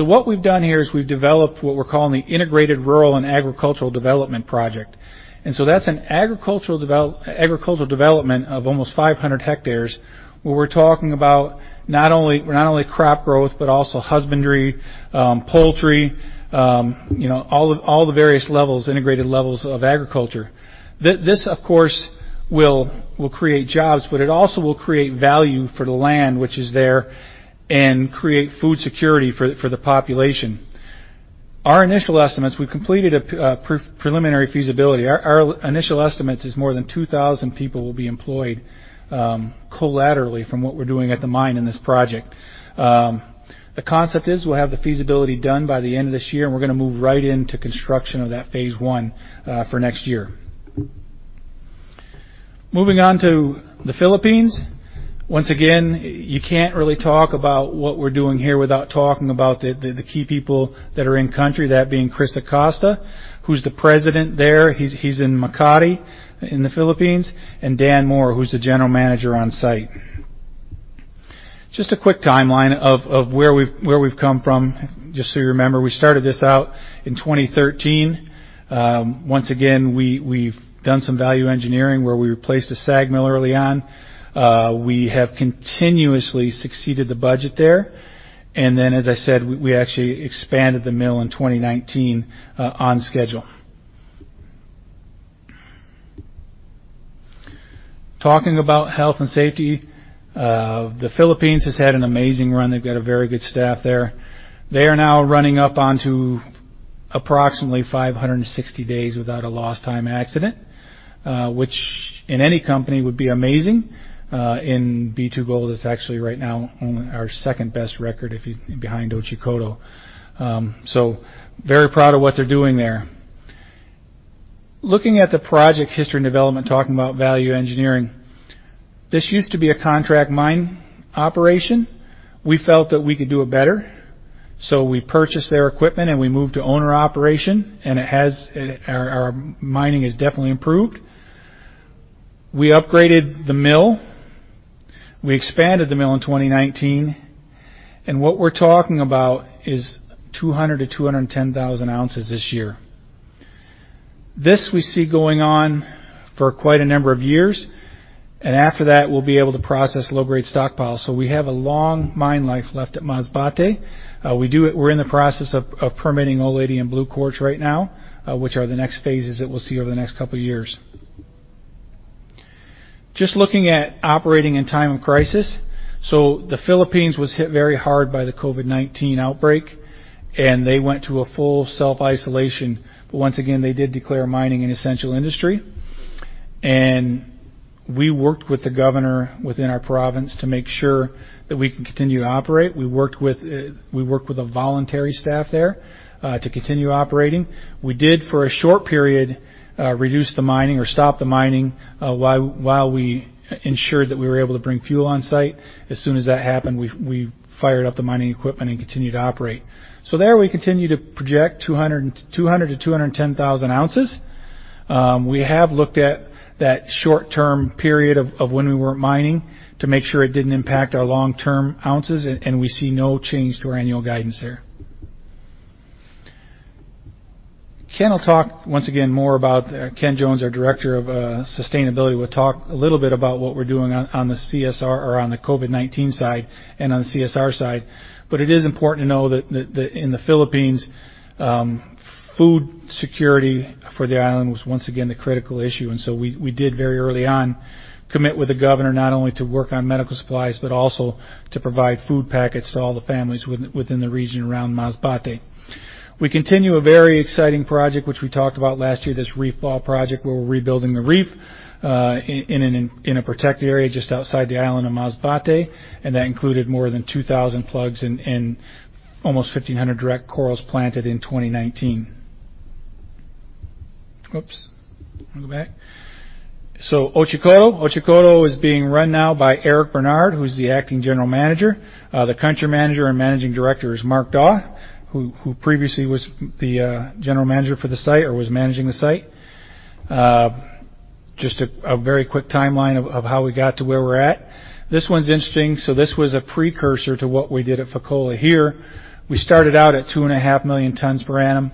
What we've done here is we've developed what we're calling the Integrated Rural and Agricultural Development Project. That's an agricultural development of almost 500 hectares, where we're talking about not only crop growth, but also husbandry, poultry, all the various integrated levels of agriculture. This, of course, will create jobs, but it also will create value for the land which is there and create food security for the population. Our initial estimates, we've completed a preliminary feasibility. Our initial estimate is more than 2,000 people will be employed collaterally from what we're doing at the mine in this project. The concept is we'll have the feasibility done by the end of this year, and we're going to move right into construction of that phase I for next year. Moving on to the Philippines. Once again, you can't really talk about what we're doing here without talking about the key people that are in country, that being Cris Acosta, who's the president there. He's in Makati in the Philippines. Dan Moore, who's the general manager on site. Just a quick timeline of where we've come from. Just so you remember, we started this out in 2013. Once again, we've done some value engineering where we replaced the SAG mill early on. We have continuously succeeded the budget there. As I said, we actually expanded the mill in 2019 on schedule. Talking about health and safety, the Philippines has had an amazing run. They've got a very good staff there. They are now running up onto approximately 560 days without a lost time accident, which in any company would be amazing. In B2Gold, it's actually right now our second-best record behind Otjikoto. Very proud of what they're doing there. Looking at the project history and development, talking about value engineering. This used to be a contract mine operation. We felt that we could do it better, so we purchased their equipment, and we moved to owner operation, and our mining has definitely improved. We upgraded the mill. We expanded the mill in 2019, and what we're talking about is 200,000-210,000 ounces this year. This we see going on for quite a number of years, and after that, we'll be able to process low-grade stockpiles. We have a long mine life left at Masbate. We're in the process of permitting Old Lady and Blue Quartz right now, which are the next phases that we'll see over the next couple of years. Just looking at operating in time of crisis. The Philippines was hit very hard by the COVID-19 outbreak, and they went to a full self-isolation. Once again, they did declare mining an essential industry. We worked with the governor within our province to make sure that we can continue to operate. We worked with a voluntary staff there, to continue operating. We did, for a short period, reduce the mining or stop the mining, while we ensured that we were able to bring fuel on site. As soon as that happened, we fired up the mining equipment and continued to operate. There we continue to project 200,000-210,000 ounces. We have looked at that short-term period of when we weren't mining to make sure it didn't impact our long-term ounces. We see no change to our annual guidance there. Ken will talk once again more about Ken Jones, our Director of Sustainability, will talk a little bit about what we're doing on the CSR or on the COVID-19 side and on the CSR side. It is important to know that in the Philippines, food security for the island was once again the critical issue. We did very early on commit with the governor not only to work on medical supplies but also to provide food packets to all the families within the region around Masbate. We continue a very exciting project, which we talked about last year, this reef ball project, where we're rebuilding the reef in a protected area just outside the island of Masbate, and that included more than 2,000 plugs and almost 1,500 direct corals planted in 2019. Oops. Go back. Otjikoto. Otjikoto is being run now by Eric Barnard, who's the acting general manager. The country manager and managing director is Mark Dawe, who previously was the general manager for the site or was managing the site. Just a very quick timeline of how we got to where we're at. This one's interesting. This was a precursor to what we did at Fekola here. We started out at 2.5 million tons per annum.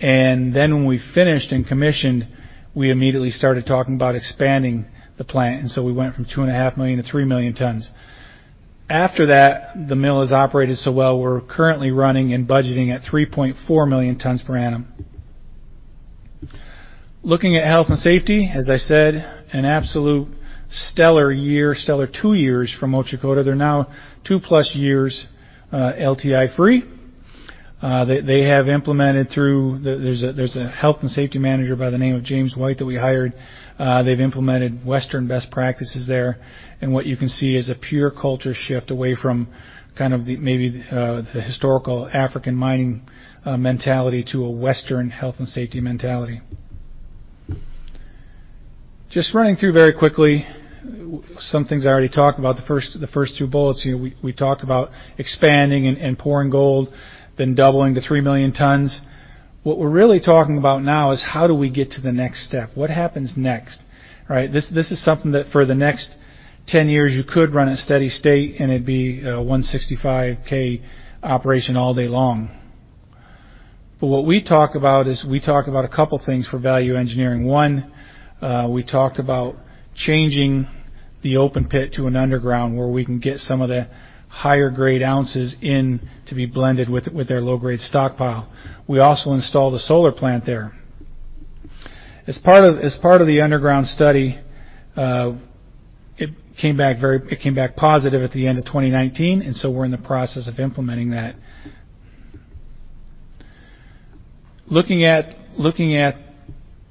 When we finished and commissioned, we immediately started talking about expanding the plant. We went from 2.5 million-3 million tons. After that, the mill has operated so well, we're currently running and budgeting at 3.4 million tons per annum. Looking at health and safety, as I said, an absolute stellar year, stellar two years from Otjikoto. They're now 2+ years LTI-free. There's a health and safety manager by the name of James White that we hired. They've implemented Western best practices there. What you can see is a pure culture shift away from maybe the historical African mining mentality to a Western health and safety mentality. Just running through very quickly some things I already talked about. The first two bullets here, we talked about expanding and pouring gold, then doubling to 3 million tons. What we're really talking about now is how do we get to the next step? What happens next, right? This is something that for the next 10 years, you could run a steady state, and it'd be a 165 k operation all day long. What we talk about is we talk about a couple of things for value engineering. One, we talked about changing the open pit to an underground where we can get some of the higher-grade ounces in to be blended with their low-grade stockpile. We also installed a solar plant there. As part of the underground study, it came back positive at the end of 2019, and so we're in the process of implementing that. Looking at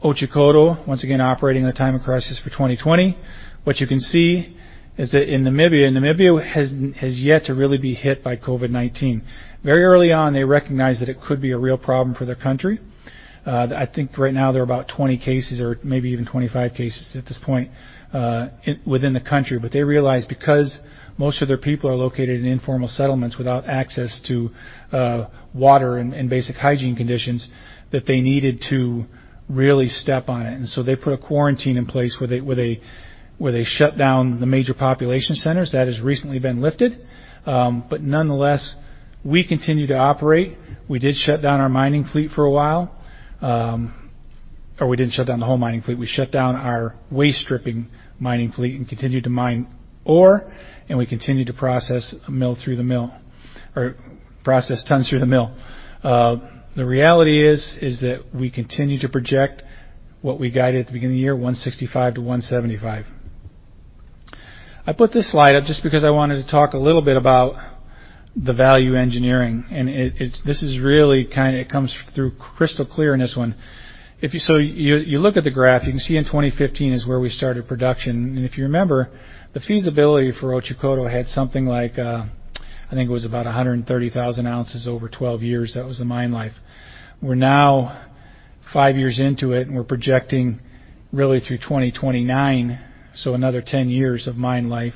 Otjikoto, once again, operating in a time of crisis for 2020, what you can see is that in Namibia has yet to really be hit by COVID-19. Very early on, they recognized that it could be a real problem for their country. I think right now there are about 20 cases or maybe even 25 cases at this point within the country. They realized because most of their people are located in informal settlements without access to water and basic hygiene conditions, that they needed to really step on it. They put a quarantine in place where they shut down the major population centers. That has recently been lifted. Nonetheless, we continue to operate. We did shut down our mining fleet for a while. We didn't shut down the whole mining fleet. We shut down our waste stripping mining fleet and continued to mine ore, and we continued to process tons through the mill. The reality is that we continue to project what we guided at the beginning of the year, 165-175. I put this slide up just because I wanted to talk a little bit about the value engineering. It comes through crystal clear in this one. You look at the graph, you can see in 2015 is where we started production. If you remember, the feasibility for Otjikoto had something like, I think it was about 130,000 ounces over 12 years. That was the mine life. We're now five years into it, and we're projecting really through 2029, so another 10 years of mine life,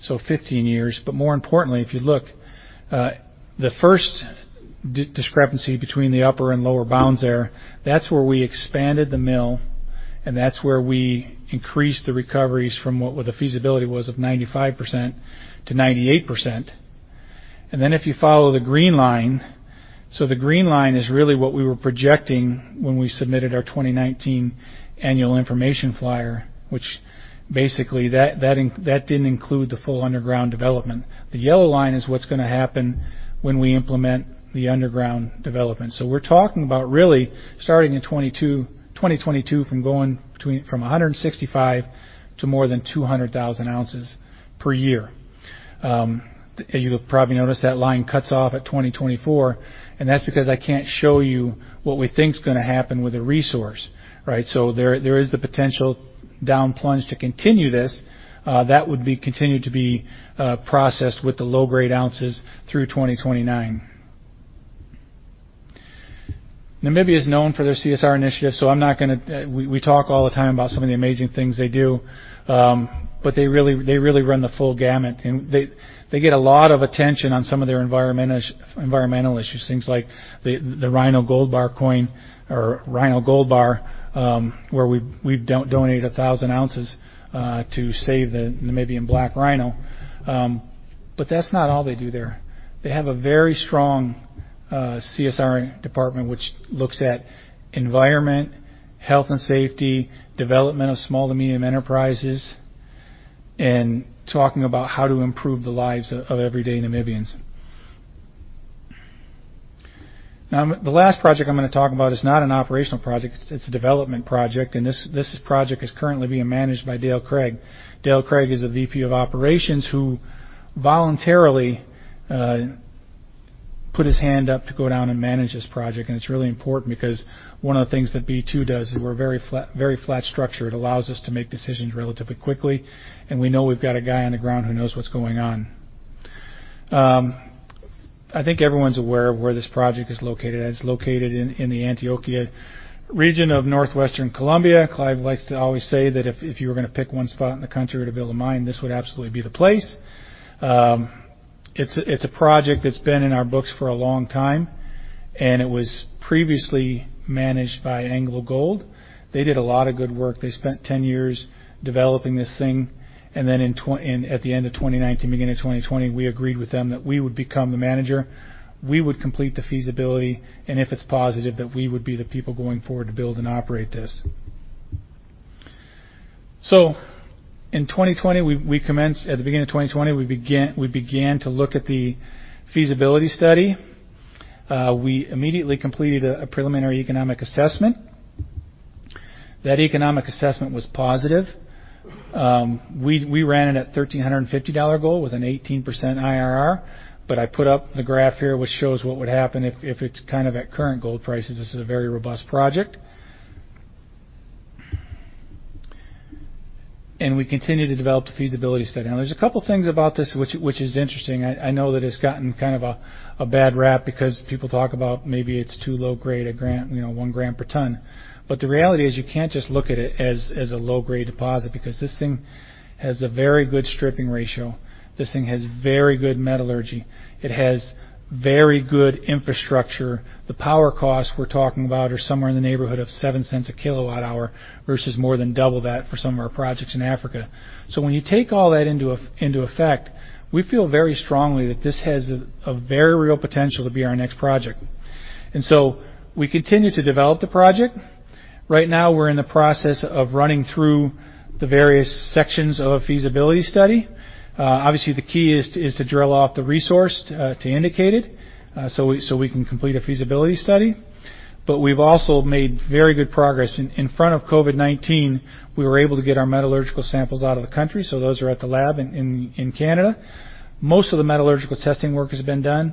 so 15 years. More importantly, if you look, the first discrepancy between the upper and lower bounds there, that's where we expanded the mill, and that's where we increased the recoveries from what the feasibility was of 95%-98%. If you follow the green line, the green line is really what we were projecting when we submitted our 2019 annual information form, which basically, that didn't include the full underground development. The yellow line is what's going to happen when we implement the underground development. We're talking about really starting in 2022, from going from 165 to more than 200,000 ounces per year. You'll probably notice that line cuts off at 2024, and that's because I can't show you what we think is going to happen with the resource, right? There is the potential down plunge to continue this. That would continue to be processed with the low-grade ounces through 2029. Namibia is known for their CSR initiatives. We talk all the time about some of the amazing things they do. They really run the full gamut, and they get a lot of attention on some of their environmental issues. Things like the Rhino Gold Bar, where we've donated 1,000 ounces, to save the Namibian black rhino. That's not all they do there. They have a very strong CSR department, which looks at environment, health and safety, development of small to medium enterprises, and talking about how to improve the lives of everyday Namibians. The last project I'm going to talk about is not an operational project, it's a development project, and this project is currently being managed by Dale Craig. Dale Craig is a VP of operations who voluntarily put his hand up to go down and manage this project. It's really important because one of the things that B2 does is we're very flat structured. It allows us to make decisions relatively quickly, and we know we've got a guy on the ground who knows what's going on. I think everyone's aware of where this project is located at. It's located in the Antioquia region of northwestern Colombia. Clive likes to always say that if you were going to pick one spot in the country to build a mine, this would absolutely be the place. It's a project that's been in our books for a long time, and it was previously managed by AngloGold. They did a lot of good work. They spent 10 years developing this thing, and then at the end of 2019, beginning of 2020, we agreed with them that we would become the manager. We would complete the feasibility, and if it's positive, that we would be the people going forward to build and operate this. In 2020, we commenced. At the beginning of 2020, we began to look at the feasibility study. We immediately completed a preliminary economic assessment. That economic assessment was positive. We ran it at $1,350 gold with an 18% IRR. I put up the graph here, which shows what would happen if it's at current gold prices. This is a very robust project. We continue to develop the feasibility study. Now, there's a couple things about this which is interesting. I know that it's gotten a bad rap because people talk about maybe it's too low grade, 1 g per ton. The reality is you can't just look at it as a low-grade deposit because this thing has a very good stripping ratio. This thing has very good metallurgy. It has very good infrastructure. The power costs we're talking about are somewhere in the neighborhood of 0.07 a kilowatt hour versus more than double that for some of our projects in Africa. When you take all that into effect, we feel very strongly that this has a very real potential to be our next project. We continue to develop the project. Right now, we're in the process of running through the various sections of a feasibility study. Obviously, the key is to drill off the resource to indicate it, so we can complete a feasibility study. We've also made very good progress. In front of COVID-19, we were able to get our metallurgical samples out of the country, so those are at the lab in Canada. Most of the metallurgical testing work has been done.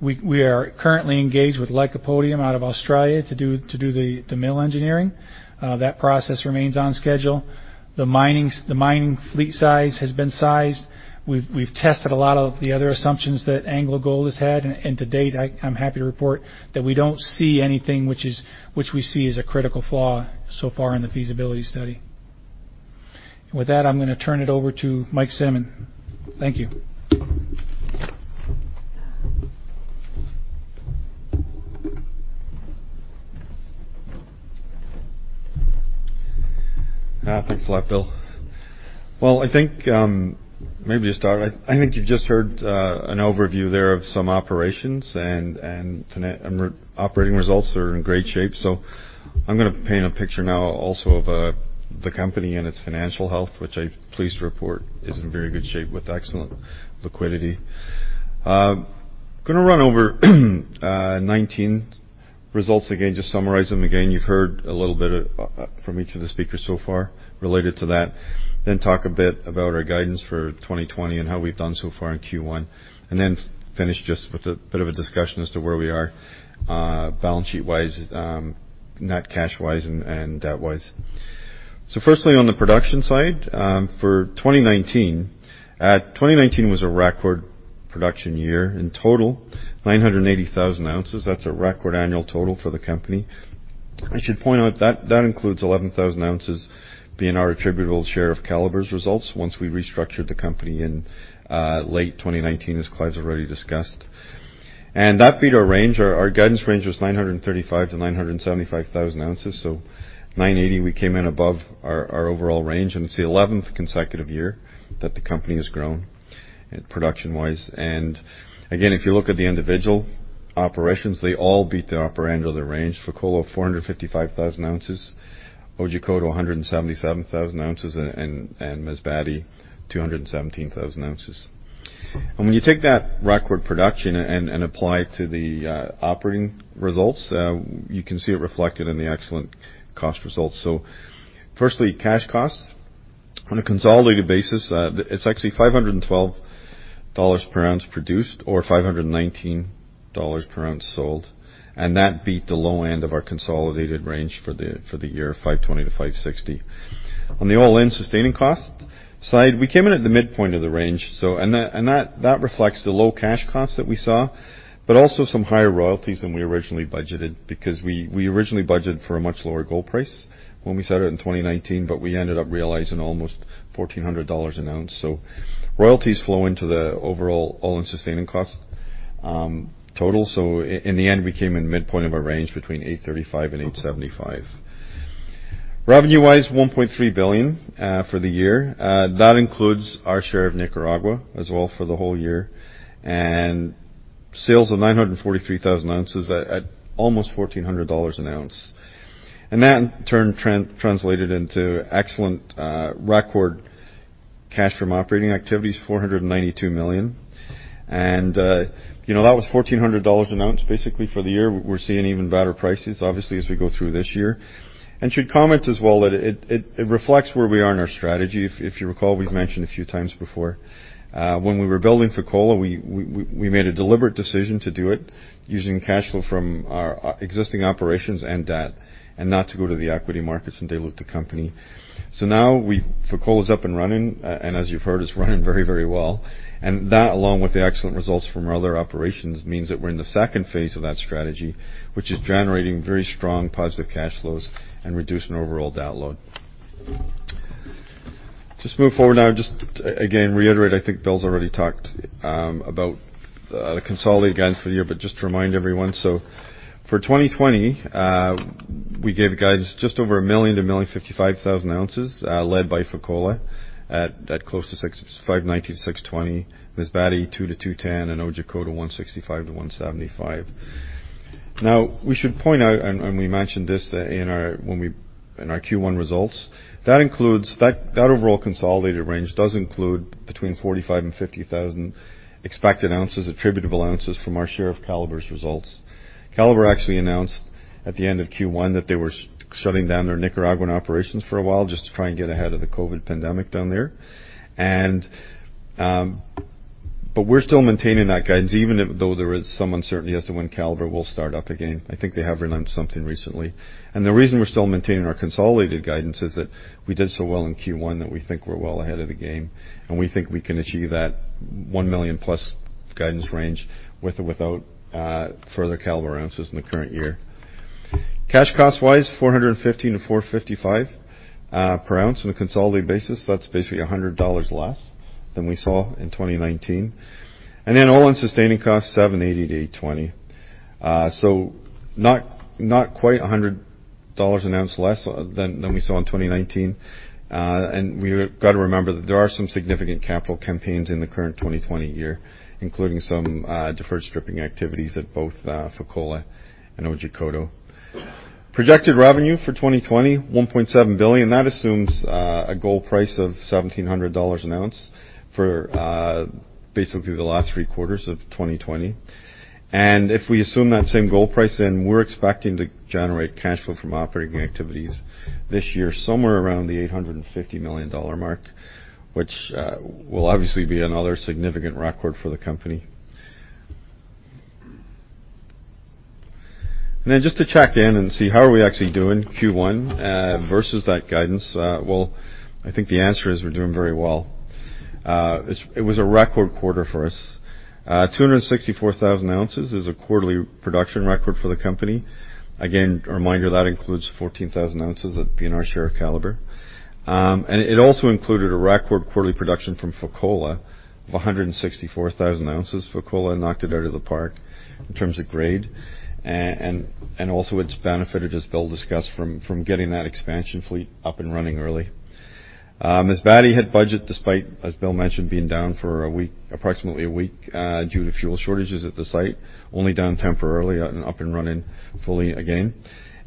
We are currently engaged with Lycopodium out of Australia to do the mill engineering. That process remains on schedule. The mining fleet size has been sized. We've tested a lot of the other assumptions that AngloGold has had, and to-date, I'm happy to report that we don't see anything which we see as a critical flaw so far in the feasibility study. With that, I'm going to turn it over to Mike Cinnamond. Thank you. Thanks a lot, Will. Well, I think maybe to start, I think you've just heard an overview there of some operations, and operating results are in great shape. I'm going to paint a picture now also of the company and its financial health, which I'm pleased to report is in very good shape with excellent liquidity. I'm going to run over 2019 results again, just summarize them again. You've heard a little bit from each of the speakers so far related to that. Talk a bit about our guidance for 2020 and how we've done so far in Q1, and then finish just with a bit of a discussion as to where we are balance sheet-wise, net cash-wise, and debt-wise. Firstly, on the production side for 2019. 2019 was a record production year. In total, 980,000 ounces. That's a record annual total for the company. I should point out, that includes 11,000 ounces being our attributable share of Calibre's results once we restructured the company in late 2019, as Clive's already discussed. That beat our range. Our guidance range was 935,000-975,000 ounces. 980,000, we came in above our overall range, and it's the 11th consecutive year that the company has grown production-wise. Again, if you look at the individual operations, they all beat the upper end of the range. Fekola, 455,000 ounces. Otjikoto, 177,000 ounces. Masbate, 217,000 ounces. When you take that record production and apply it to the operating results, you can see it reflected in the excellent cost results. Firstly, cash costs on a consolidated basis, it's actually 512 dollars per ounce produced or 519 dollars per ounce sold. That beat the low end of our consolidated range for the year, 520-560. On the all-in sustaining cost side, we came in at the midpoint of the range. That reflects the low cash operating costs that we saw, but also some higher royalties than we originally budgeted because we originally budgeted for a much lower gold price when we set out in 2019, but we ended up realizing almost $1,400 an ounce. Royalties flow into the overall all-in sustaining cost total. In the end, we came in midpoint of our range between $835-$875. Revenue-wise, $1.3 billion for the year. That includes our share of Nicaragua as well for the whole year and sales of 943,000 ounces at almost $1,400 an ounce. That translated into excellent record cash from operating activities, $492 million. That was $1,400 an ounce basically for the year. We're seeing even better prices, obviously, as we go through this year. Should comment as well that it reflects where we are in our strategy. If you recall, we've mentioned a few times before. When we were building Fekola, we made a deliberate decision to do it using cash flow from our existing operations and debt and not to go to the equity markets and dilute the company. Now Fekola is up and running, and as you've heard, is running very well. That, along with the excellent results from our other operations, means that we're in the second phase of that strategy, which is generating very strong positive cash flows and reducing overall debt load. Just move forward now, just again reiterate, I think Bill's already talked about the consolidated guidance for the year, but just to remind everyone. For 2020, we gave guidance just over 1 million-1,055,000 ounces, led by Fekola at close to 590,000-620,000. Masbate, 200,000-210,000 Otjikoto, 165,000-175,000. We should point out, and we mentioned this in our Q1 results, that overall consolidated range does include between 45,000 and 50,000 expected ounces, attributable ounces from our share of Calibre's results. Calibre actually announced at the end of Q1 that they were shutting down their Nicaraguan operations for a while just to try and get ahead of the COVID-19 pandemic down there. We're still maintaining that guidance, even though there is some uncertainty as to when Calibre will start up again. I think they have announced something recently. The reason we're still maintaining our consolidated guidance is that we did so well in Q1 that we think we're well ahead of the game, and we think we can achieve that 1 million+ guidance range with or without further Calibre ounces in the current year. Cash cost-wise, 415-455 per ounce on a consolidated basis. That's basically 100 dollars less than we saw in 2019. All-in sustaining costs, 780-820. Not quite 100 dollars an ounce less than we saw in 2019. We got to remember that there are some significant capital campaigns in the current 2020 year, including some deferred stripping activities at both Fekola and Otjikoto. Projected revenue for 2020, 1.7 billion. That assumes a gold price of 1,700 dollars an ounce for basically the last three quarters of 2020. If we assume that same gold price, we're expecting to generate cash flow from operating activities this year, somewhere around the 850 million dollar mark, which will obviously be another significant record for the company. Just to check in and see how are we actually doing, Q1 versus that guidance? Well, I think the answer is we're doing very well. It was a record quarter for us. 264,000 ounces is a quarterly production record for the company. Again, a reminder, that includes 14,000 ounces of being our share of Calibre. It also included a record quarterly production from Fekola of 164,000 ounces. Fekola knocked it out of the park in terms of grade. Also it's benefited, as Will discussed, from getting that expansion fleet up and running early. Masbate had budget, despite, as Will mentioned, being down for approximately a week due to fuel shortages at the site, only down temporarily and up and running fully again.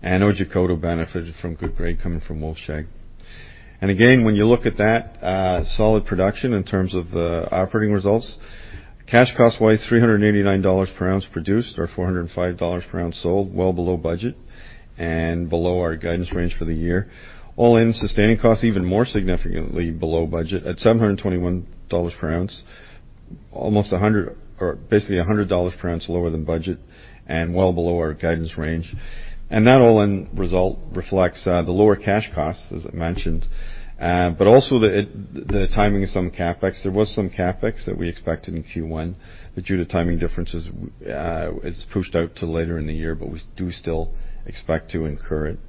Otjikoto benefited from good grade coming from Wolfshag. Again, when you look at that solid production in terms of the operating results, cash cost was 389 dollars per ounce produced or 405 dollars per ounce sold, well below budget and below our guidance range for the year. All-in sustaining costs even more significantly below budget at 721 dollars per ounce. Basically 100 dollars per ounce lower than budget and well below our guidance range. That all-in result reflects the lower cash costs, as I mentioned, but also the timing of some CapEx. There was some CapEx that we expected in Q1, but due to timing differences, it is pushed out to later in the year, but we do still expect to incur it.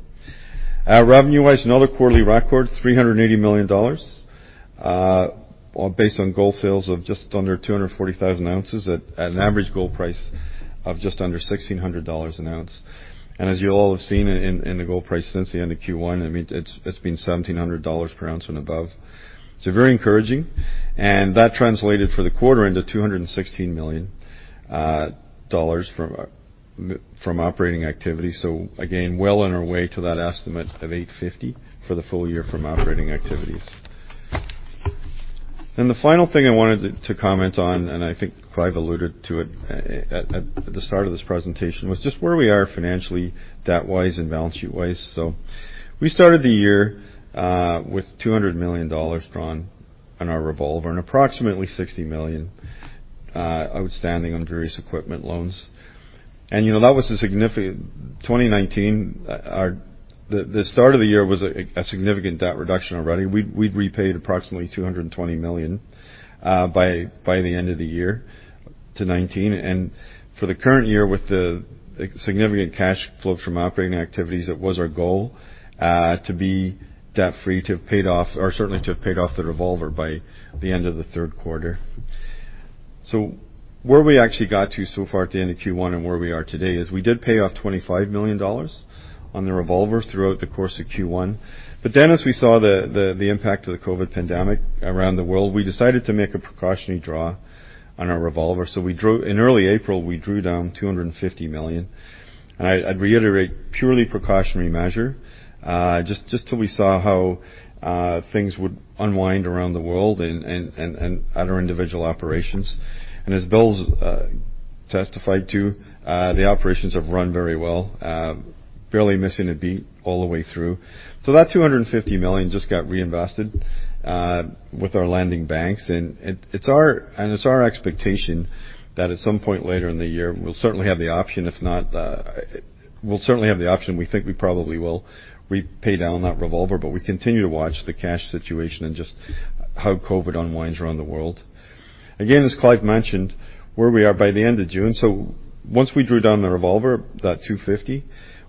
Revenue-wise, another quarterly record, 380 million dollars, based on gold sales of just under 240,000 ounces at an average gold price of just under 1,600 dollars an ounce. As you all have seen in the gold price since the end of Q1, it has been 1,700 dollars per ounce and above. Very encouraging. That translated for the quarter into 216 million dollars from operating activity. Again, well on our way to that estimate of 850 for the full year from operating activities. The final thing I wanted to comment on, and I think Clive alluded to it at the start of this presentation, was just where we are financially, debt-wise and balance sheet-wise. We started the year with 200 million dollars drawn on our revolver and approximately 60 million outstanding on various equipment loans. That was a significant, 2019, the start of the year was a significant debt reduction already. We'd repaid approximately 220 million by the end of the year to 2019. For the current year, with the significant cash flow from operating activities, it was our goal to be debt-free, to have paid off, or certainly to have paid off the revolver by the end of the third quarter. Where we actually got to so far at the end of Q1 and where we are today is we did pay off 25 million dollars on the revolver throughout the course of Q1. As we saw the impact of the COVID pandemic around the world, we decided to make a precautionary draw on our revolver. In early April, we drew down 250 million. I'd reiterate, purely precautionary measure, just till we saw how things would unwind around the world and at our individual operations. As Will's testified to, the operations have run very well, barely missing a beat all the way through. That 250 million just got reinvested with our lending banks. It's our expectation that at some point later in the year, we'll certainly have the option, we think we probably will, we pay down that revolver, but we continue to watch the cash situation and just how COVID unwinds around the world. Again, as Clive mentioned, where we are by the end of June. Once we drew down the revolver, that 250 million,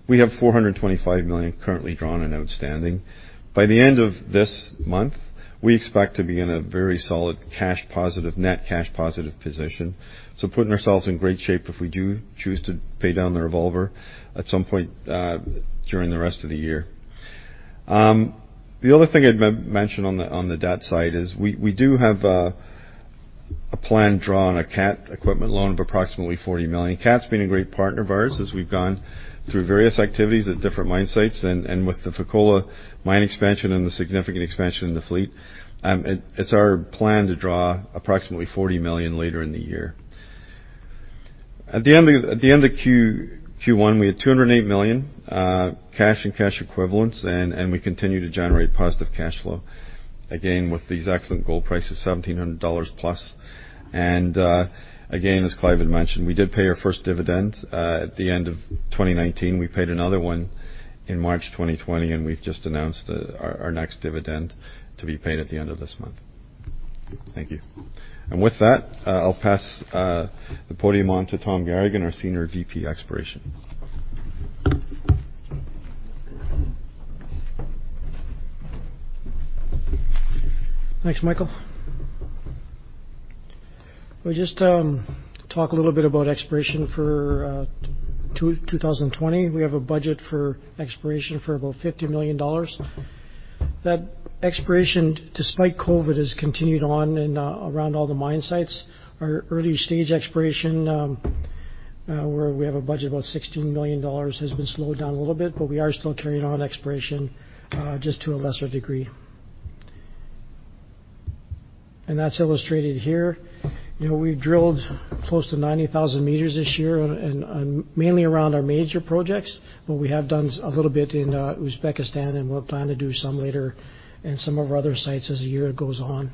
we have 425 million currently drawn and outstanding. By the end of this month, we expect to be in a very solid cash positive, net cash positive position. Putting ourselves in great shape if we do choose to pay down the revolver at some point during the rest of the year. The other thing I'd mention on the debt side is we do have a plan drawn, a CAT equipment loan of approximately 40 million. CAT's been a great partner of ours as we've gone through various activities at different mine sites and with the Fekola Mine expansion and the significant expansion in the fleet. It's our plan to draw approximately 40 million later in the year. At the end of Q1, we had 208 million cash and cash equivalents, and we continue to generate positive cash flow, again, with these excellent gold prices, 1,700+ dollars. As Clive had mentioned, we did pay our first dividend at the end of 2019. We paid another one in March 2020, we've just announced our next dividend to be paid at the end of this month. Thank you. With that, I'll pass the podium on to Tom Garagan, our Senior VP, Exploration. Thanks, Michael. We'll just talk a little bit about exploration for 2020. We have a budget for exploration for about 50 million dollars. That exploration, despite COVID, has continued on around all the mine sites. Our early-stage exploration, where we have a budget of about 16 million dollars, has been slowed down a little bit, we are still carrying on exploration, just to a lesser degree. That's illustrated here. We've drilled close to 90,000 m this year, and mainly around our major projects. We have done a little bit in Uzbekistan, and we'll plan to do some later in some of our other sites as the year goes on.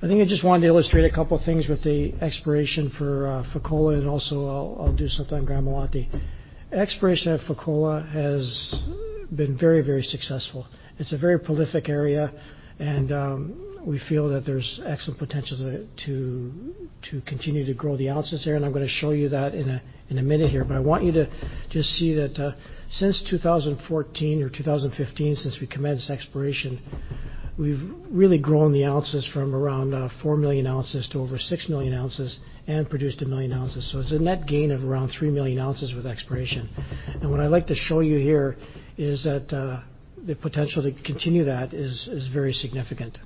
I think I just wanted to illustrate a couple of things with the exploration for Fekola, and also I'll do something on Gramalote. Exploration at Fekola has been very successful. It's a very prolific area, and we feel that there's excellent potential to continue to grow the ounces there, and I'm going to show you that in a minute here. I want you to just see that since 2014 or 2015, since we commenced exploration, we've really grown the ounces from around 4 million ounces to over 6 million ounces and produced 1 million ounces. It's a net gain of around 3 million ounces with exploration. What I'd like to show you here is that the potential to continue that is very significant.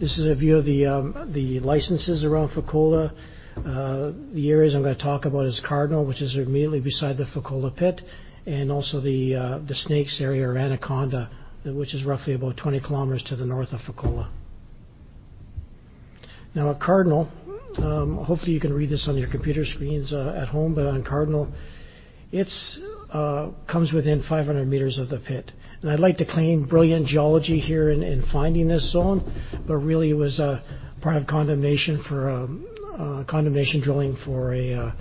This is a view of the licenses around Fekola. The areas I'm going to talk about is Cardinal, which is immediately beside the Fekola pit, and also the Snakes area or Anaconda, which is roughly about 20 km to the north of Fekola. Cardinal, hopefully you can read this on your computer screens at home, but on Cardinal, it comes within 500 m of the pit. I'd like to claim brilliant geology here in finding this zone, but really it was a part of condemnation drilling for a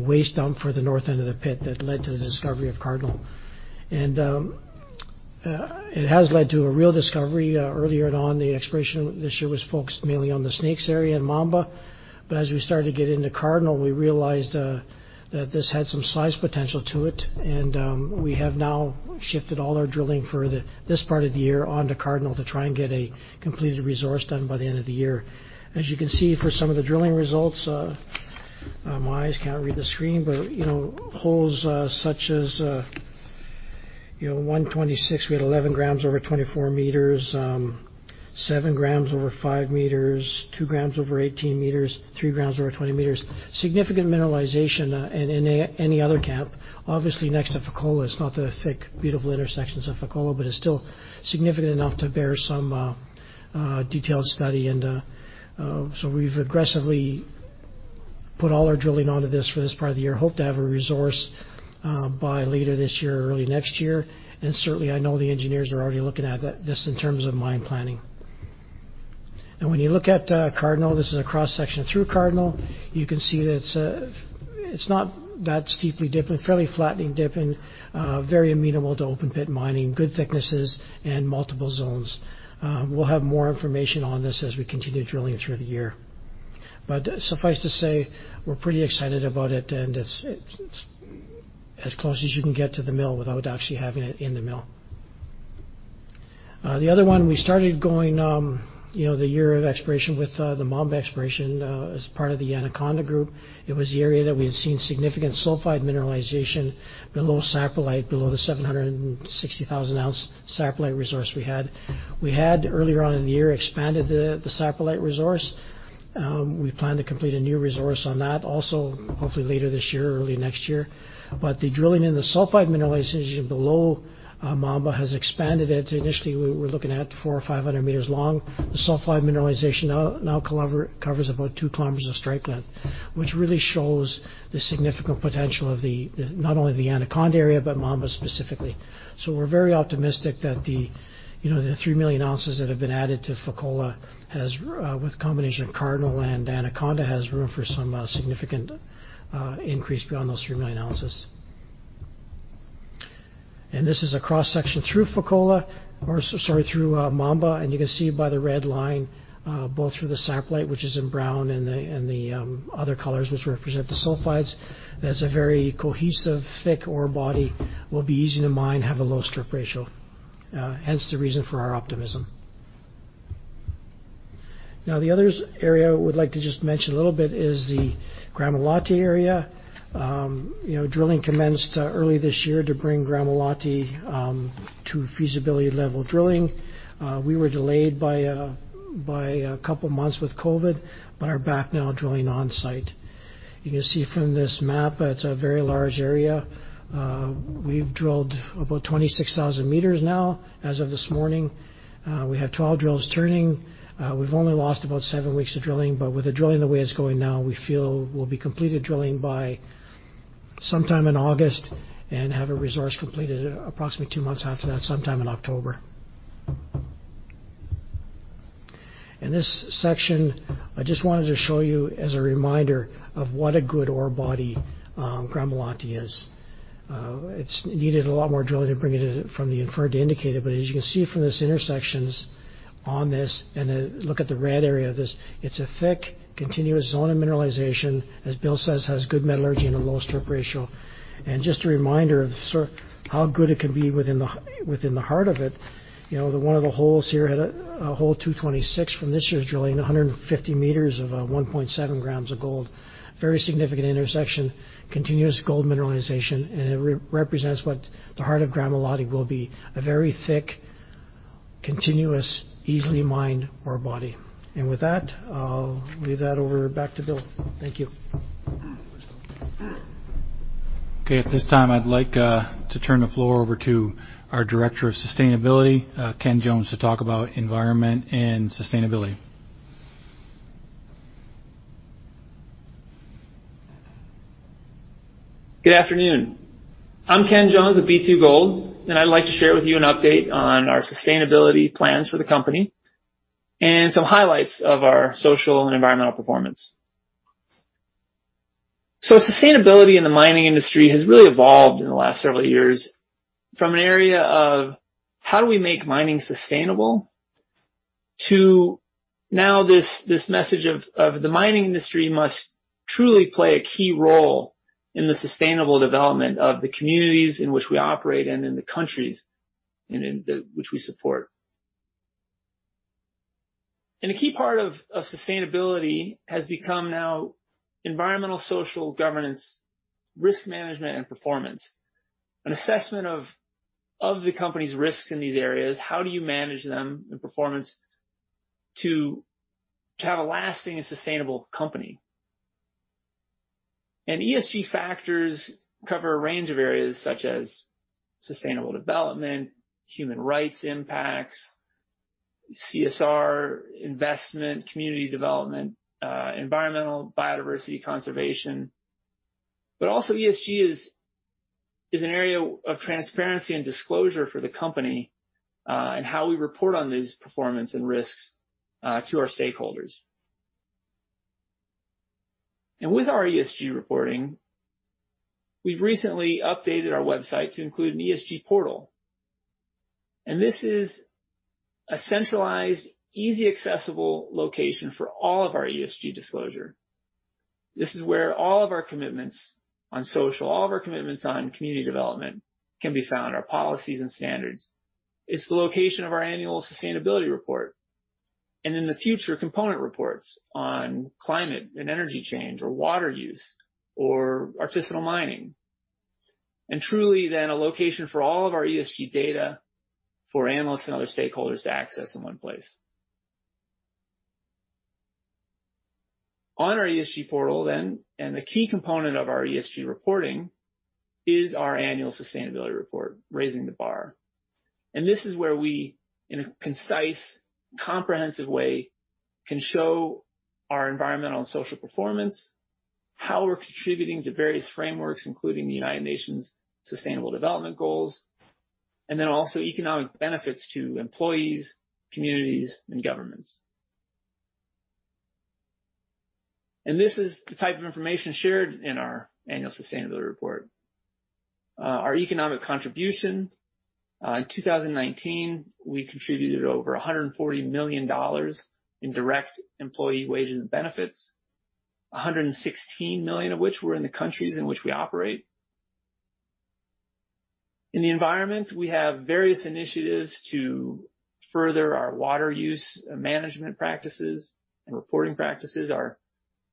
waste dump for the north end of the pit that led to the discovery of Cardinal. It has led to a real discovery. Earlier on the exploration this year was focused mainly on the Snakes area and Mamba. As we started to get into Cardinal, we realized that this had some size potential to it, and we have now shifted all our drilling for this part of the year onto Cardinal to try and get a completed resource done by the end of the year. As you can see for some of the drilling results, my eyes can't read the screen, but holes such as 126, we had 11 g over 24 m, 7 g over 5 m, 2 g over 18 m, 3 g over 20 m. Significant mineralization in any other camp. Obviously next to Fekola. It's not the thick, beautiful intersections of Fekola, but it's still significant enough to bear some detailed study. We've aggressively put all our drilling onto this for this part of the year. Hope to have a resource by later this year or early next year. Certainly, I know the engineers are already looking at this in terms of mine planning. When you look at Cardinal, this is a cross-section through Cardinal, you can see that it's not that steeply dipping, fairly flattening dipping, very amenable to open-pit mining, good thicknesses, and multiple zones. We'll have more information on this as we continue drilling through the year. Suffice to say, we're pretty excited about it, and it's as close as you can get to the mill without actually having it in the mill. The other one we started going the year of exploration with the Mamba exploration as part of the Anaconda Group. It was the area that we had seen significant sulfide mineralization below saprolite, below the 760,000-ounce saprolite resource we had. We had earlier on in the year expanded the saprolite resource. We plan to complete a new resource on that also hopefully later this year or early next year. The drilling in the sulfide mineralization below Mamba has expanded it. Initially, we were looking at 400 m or 500 m long. The sulfide mineralization now covers about 2 km of strike length, which really shows the significant potential of not only the Anaconda area but Mamba specifically. We're very optimistic that the 3 million ounces that have been added to Fekola with the combination of Cardinal and Anaconda has room for some significant increase beyond those 3 million ounces. This is a cross-section through Fekola or, sorry, through Mamba, and you can see by the red line both through the saprolite, which is in brown, and the other colors, which represent the sulfides. That's a very cohesive thick ore body, will be easy to mine, have a low strip ratio. Hence the reason for our optimism. The other area I would like to just mention a little bit is the Gramalote area. Drilling commenced early this year to bring Gramalote to feasibility level drilling. We were delayed by a couple of months with COVID-19, but are back now drilling on-site. You can see from this map it's a very large area. We've drilled about 26,000 m now as of this morning. We have 12 drills turning. We've only lost about seven weeks of drilling, but with the drilling the way it's going now, we feel we'll be completed drilling by sometime in August and have a resource completed approximately two months after that, sometime in October. In this section, I just wanted to show you as a reminder of what a good ore body Gramalote is. It needed a lot more drilling to bring it from the inferred to indicated, but as you can see from these intersections on this, and look at the red area of this, it's a thick, continuous zone of mineralization, as Will says, has good metallurgy and a low strip ratio. Just a reminder of how good it can be within the heart of it. One of the holes here had a hole 226 from this year's drilling, 150 m of 1.7 g of gold. Very significant intersection, continuous gold mineralization, and it represents what the heart of Gramalote will be. A very thick, continuous, easily mined ore body. With that, I'll leave that over back to Will. Thank you. At this time, I'd like to turn the floor over to our Director of Sustainability, Ken Jones, to talk about environment and sustainability. Good afternoon. I'm Ken Jones of B2Gold. I'd like to share with you an update on our sustainability plans for the company and some highlights of our social and environmental performance. Sustainability in the mining industry has really evolved in the last several years from an area of how do we make mining sustainable to now this message of the mining industry must truly play a key role in the sustainable development of the communities in which we operate and in the countries in which we support. A key part of sustainability has become now environmental, social, governance, risk management, and performance. An assessment of the company's risks in these areas, how do you manage them and performance to have a lasting and sustainable company. ESG factors cover a range of areas such as sustainable development, human rights impacts, CSR investment, community development, environmental biodiversity conservation. ESG is an area of transparency and disclosure for the company, and how we report on these performance and risks to our stakeholders. With our ESG reporting, we've recently updated our website to include an ESG Portal. This is a centralized, easy, accessible location for all of our ESG disclosure. This is where all of our commitments on social, all of our commitments on community development can be found, our policies and standards. It's the location of our annual sustainability report, and in the future, component reports on climate and energy change or water use or artisanal mining. A location for all of our ESG data for analysts and other stakeholders to access in one place. On our ESG reporting. The key component of our ESG reporting, is our annual sustainability report, Raising the Bar. This is where we, in a concise, comprehensive way, can show our environmental and social performance, how we're contributing to various frameworks, including the United Nations Sustainable Development Goals, and then also economic benefits to employees, communities, and governments. This is the type of information shared in our annual sustainability report. Our economic contribution. In 2019, we contributed over 140 million dollars in direct employee wages and benefits, 116 million of which were in the countries in which we operate. In the environment, we have various initiatives to further our water use management practices and reporting practices, our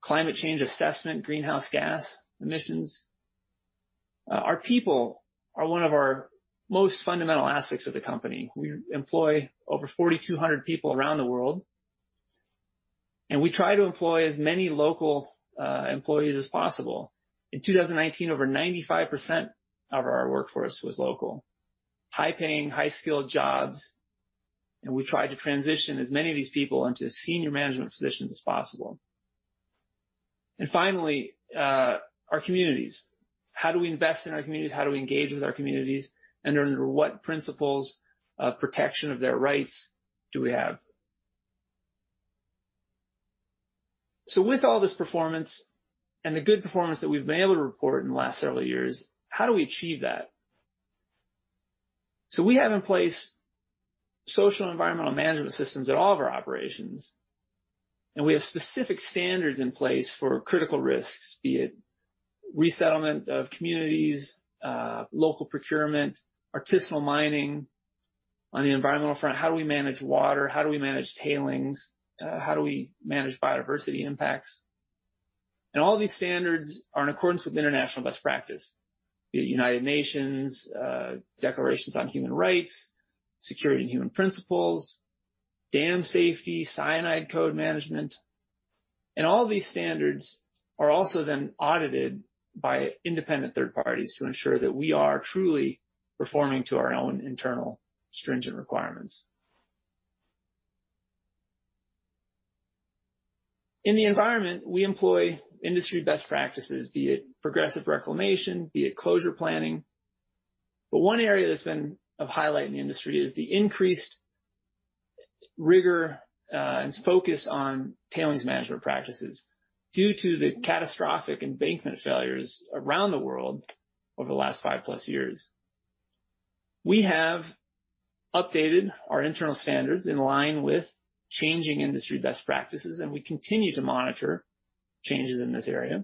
climate change assessment, greenhouse gas emissions. Our people are one of our most fundamental aspects of the company. We employ over 4,200 people around the world. We try to employ as many local employees as possible. In 2019, over 95% of our workforce was local. High-paying, high-skilled jobs, and we try to transition as many of these people into senior management positions as possible. Finally, our communities. How do we invest in our communities? How do we engage with our communities? Under what principles of protection of their rights do we have? With all this performance and the good performance that we've been able to report in the last several years, how do we achieve that? We have in place social and environmental management systems at all of our operations, and we have specific standards in place for critical risks, be it resettlement of communities, local procurement, artisanal mining. On the environmental front, how do we manage water? How do we manage tailings? How do we manage biodiversity impacts? All of these standards are in accordance with international best practice, be it United Nations declarations on human rights, Security and Human Rights Principles, dam safety, cyanide code management. All these standards are also then audited by independent third parties to ensure that we are truly performing to our own internal stringent requirements. In the environment, we employ industry best practices, be it progressive reclamation, be it closure planning. One area that's been of highlight in the industry is the increased rigor and focus on tailings management practices due to the catastrophic embankment failures around the world over the last 5+ years. We have updated our internal standards in line with changing industry best practices, and we continue to monitor changes in this area.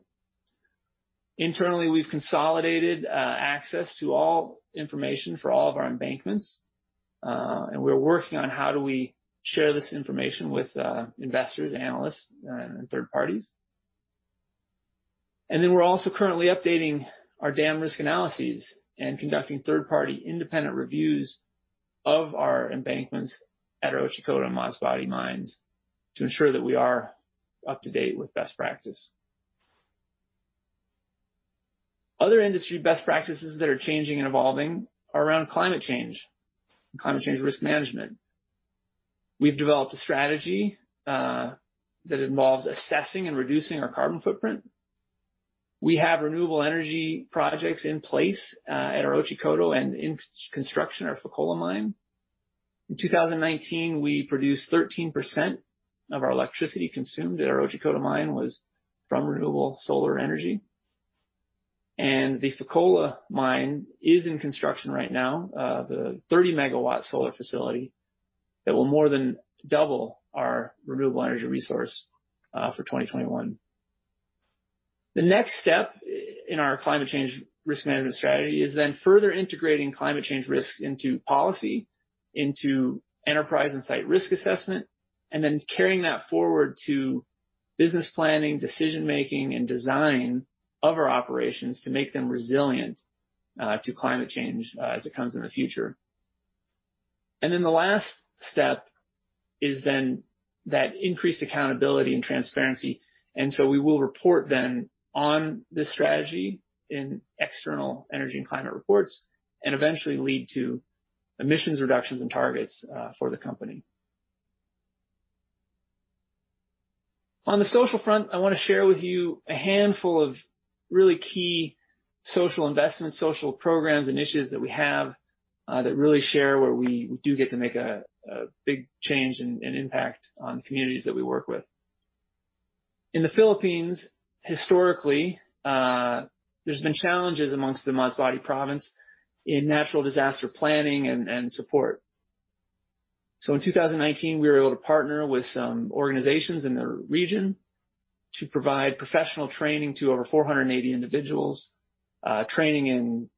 Internally, we've consolidated access to all information for all of our embankments, and we're working on how do we share this information with investors, analysts, and third parties. We're also currently updating our dam risk analyses and conducting third-party independent reviews of our embankments at our Oyu Tolgoi and Masbate mines to ensure that we are up to date with best practice. Other industry best practices that are changing and evolving are around climate change and climate change risk management. We've developed a strategy that involves assessing and reducing our carbon footprint. We have renewable energy projects in place at our Oyu Tolgoi and in construction at our Fekola mine. In 2019, we produced 13% of our electricity consumed at our Oyu Tolgoi mine was from renewable solar energy. The Fekola Mine is in construction right now, the 30 MW solar facility that will more than double our renewable energy resource for 2021. The next step in our climate change risk management strategy is then further integrating climate change risk into policy, into enterprise and site risk assessment, and then carrying that forward to business planning, decision-making, and design of our operations to make them resilient to climate change as it comes in the future. The last step is then that increased accountability and transparency. We will report then on this strategy in external energy and climate reports, and eventually lead to emissions reductions and targets for the company. On the social front, I want to share with you a handful of really key social investments, social programs, and initiatives that we have, that really share where we do get to make a big change and impact on communities that we work with. In the Philippines, historically, there's been challenges amongst the Masbate province in natural disaster planning and support. In 2019, we were able to partner with some organizations in the region to provide professional training to over 480 individuals, training in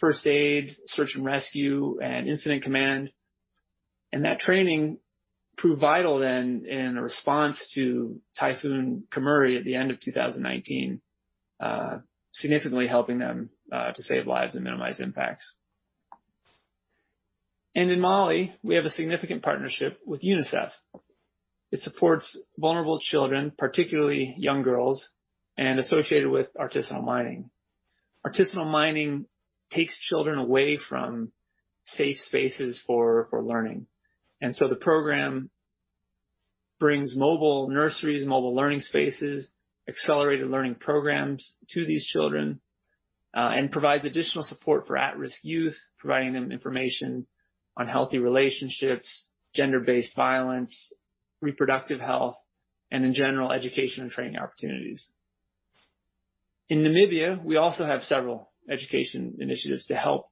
first aid, search and rescue, and incident command. That training proved vital in response to Typhoon Kammuri at the end of 2019, significantly helping them to save lives and minimize impacts. In Mali, we have a significant partnership with UNICEF. It supports vulnerable children, particularly young girls, and associated with artisanal mining. Artisanal mining takes children away from safe spaces for learning. The program brings mobile nurseries, mobile learning spaces, accelerated learning programs to these children, and provides additional support for at-risk youth, providing them information on healthy relationships, gender-based violence, reproductive health, and in general, education and training opportunities. In Namibia, we also have several education initiatives to help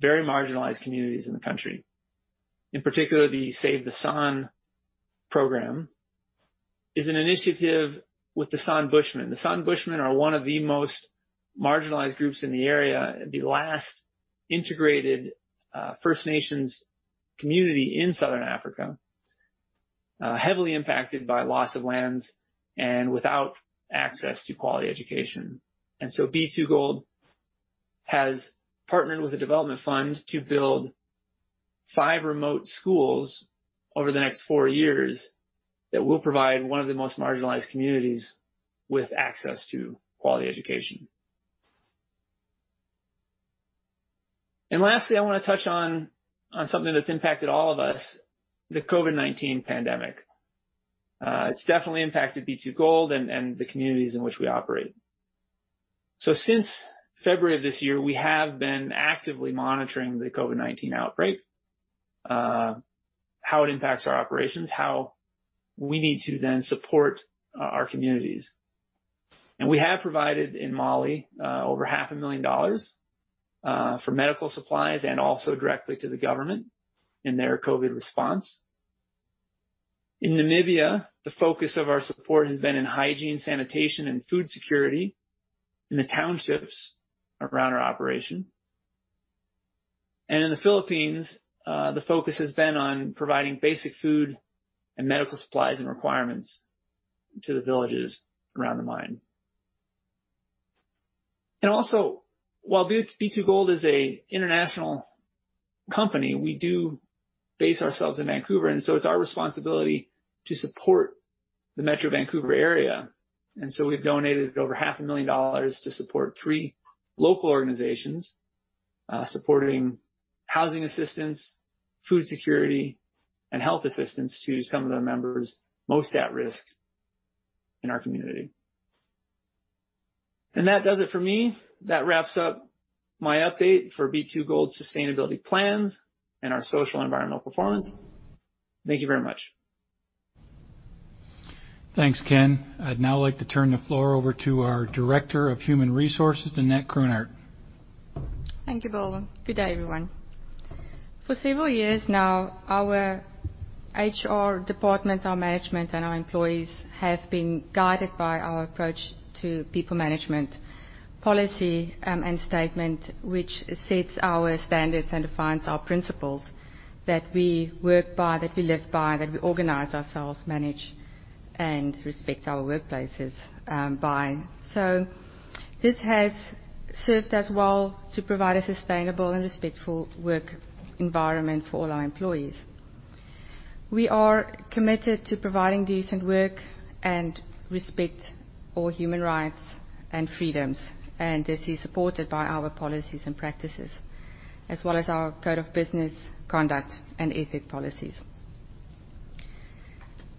very marginalized communities in the country. In particular, the Save the San program is an initiative with the San Bushmen. The San Bushmen are one of the most marginalized groups in the area, the last integrated First Nations community in Southern Africa, heavily impacted by loss of lands and without access to quality education. B2Gold has partnered with the Development Fund to build five remote schools over the next four years that will provide one of the most marginalized communities with access to quality education. Lastly, I want to touch on something that's impacted all of us, the COVID-19 pandemic. It's definitely impacted B2Gold and the communities in which we operate. Since February of this year, we have been actively monitoring the COVID-19 outbreak, how it impacts our operations, how we need to then support our communities. We have provided in Mali, over 500,000 dollars for medical supplies and also directly to the government in their COVID response. In Namibia, the focus of our support has been in hygiene, sanitation, and food security in the townships around our operation. In the Philippines, the focus has been on providing basic food and medical supplies and requirements to the villages around the mine. While B2Gold is an international company, we do base ourselves in Vancouver, it's our responsibility to support the Metro Vancouver area. We've donated over 500,000 dollars to support three local organizations, supporting housing assistance, food security, and health assistance to some of the members most at risk in our community. That does it for me. That wraps up my update for B2Gold sustainability plans and our social and environmental performance. Thank you very much. Thanks, Ken. I'd now like to turn the floor over to our Director of Human Resources, Ninette Kröhnert. Thank you, William. Good day, everyone. For several years now, our HR department, our management, and our employees have been guided by our approach to people management policy and statement which sets our standards and defines our principles that we work by, that we live by, that we organize ourselves, manage, and respect our workplaces by. This has served us well to provide a sustainable and respectful work environment for all our employees. We are committed to providing decent work and respect all human rights and freedoms, and this is supported by our policies and practices, as well as our code of business conduct and ethics policies.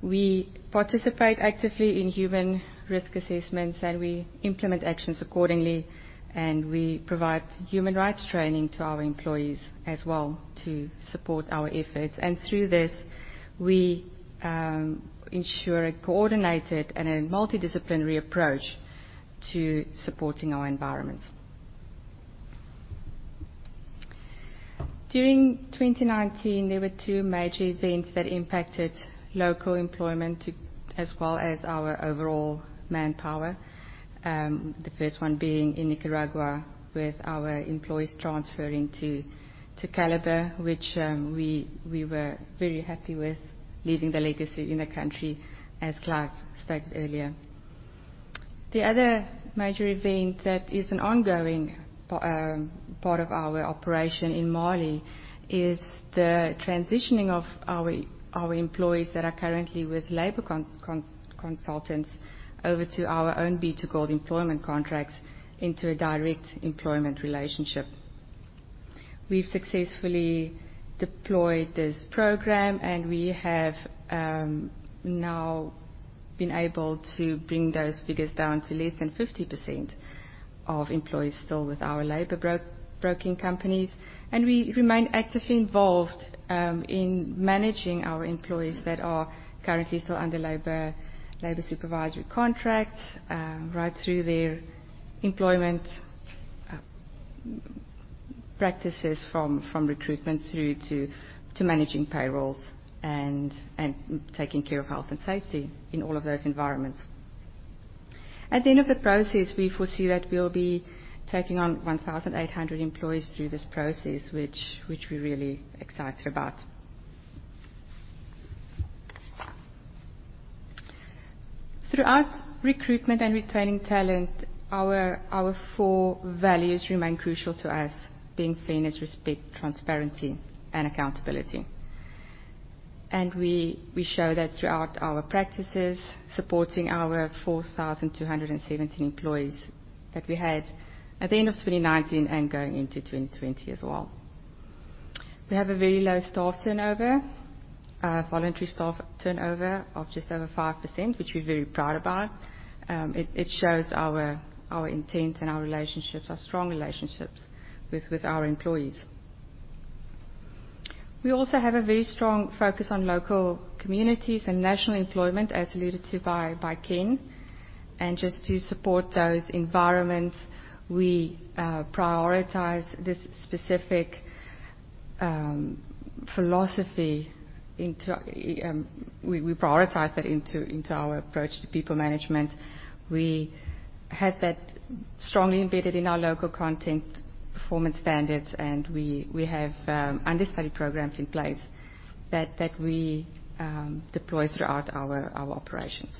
We participate actively in human risk assessments, and we implement actions accordingly, and we provide human rights training to our employees as well to support our efforts. Through this, we ensure a coordinated and a multidisciplinary approach to supporting our environments. During 2019, there were two major events that impacted local employment as well as our overall manpower. The first one being in Nicaragua with our employees transferring to Calibre, which we were very happy with leaving the legacy in the country, as Clive stated earlier. The other major event that is an ongoing part of our operation in Mali is the transitioning of our employees that are currently with labor consultants over to our own B2Gold employment contracts into a direct employment relationship. We've successfully deployed this program, and we have now been able to bring those figures down to less than 50% of employees still with our labor broking companies. We remain actively involved in managing our employees that are currently still under labor supervisory contracts right through their employment practices from recruitment through to managing payrolls and taking care of health and safety in all of those environments. At the end of the process, we foresee that we'll be taking on 1,800 employees through this process, which we're really excited about. Throughout recruitment and retaining talent, our four values remain crucial to us, being fairness, respect, transparency, and accountability. We show that throughout our practices, supporting our 4,270 employees that we had at the end of 2019 and going into 2020 as well. We have a very low staff turnover, voluntary staff turnover of just over 5%, which we're very proud about. It shows our intent and our relationships, our strong relationships with our employees. We also have a very strong focus on local communities and national employment, as alluded to by Ken. Just to support those environments, we prioritize that into our approach to people management. We have that strongly embedded in our local content performance standards, and we have understudy programs in place that we deploy throughout our operations.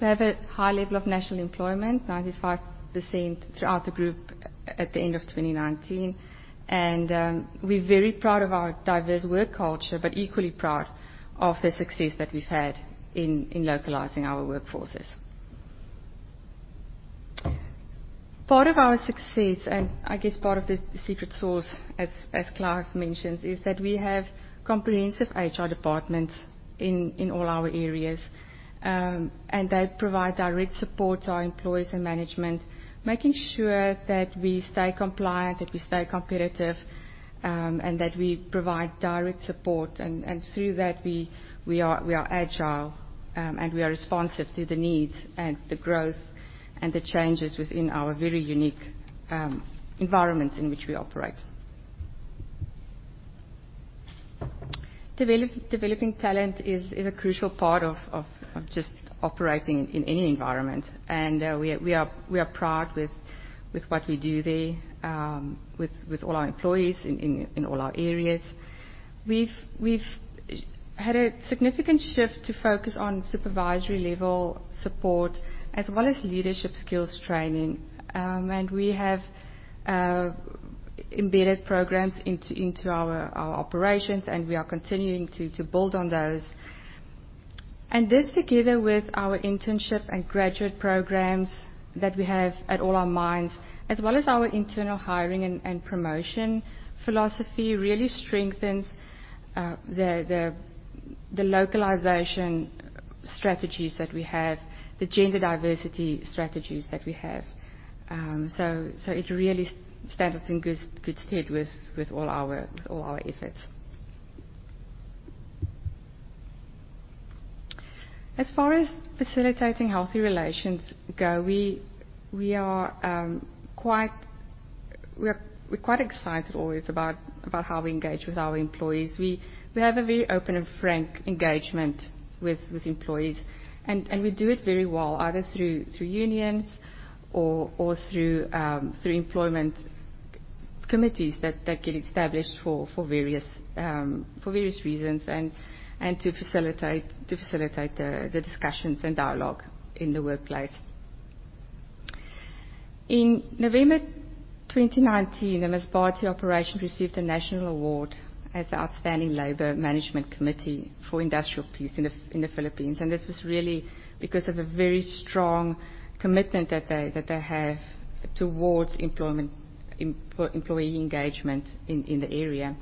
We have a high level of national employment, 95% throughout the group at the end of 2019. We're very proud of our diverse work culture, but equally proud of the success that we've had in localizing our workforces. Part of our success, and I guess part of the secret sauce, as Clive mentioned, is that we have comprehensive HR departments in all our areas. They provide direct support to our employees and management, making sure that we stay compliant, that we stay competitive, and that we provide direct support. Through that, we are agile, and we are responsive to the needs and the growth and the changes within our very unique environments in which we operate. Developing talent is a crucial part of just operating in any environment. We are proud with what we do there with all our employees in all our areas. We've had a significant shift to focus on supervisory-level support as well as leadership skills training. We have embedded programs into our operations, and we are continuing to build on those. This, together with our internship and graduate programs that we have at all our mines, as well as our internal hiring and promotion philosophy, really strengthens the localization strategies that we have, the gender diversity strategies that we have. It really stands us in good stead with all our efforts. As far as facilitating healthy relations go, we're quite excited always about how we engage with our employees. We have a very open and frank engagement with employees, and we do it very well, either through unions or through employment committees that get established for various reasons and to facilitate the discussions and dialogue in the workplace. In November 2019, the Masbate operation received a national award as the outstanding labor management committee for industrial peace in the Philippines. This was really because of a very strong commitment that they have towards employee engagement in the area.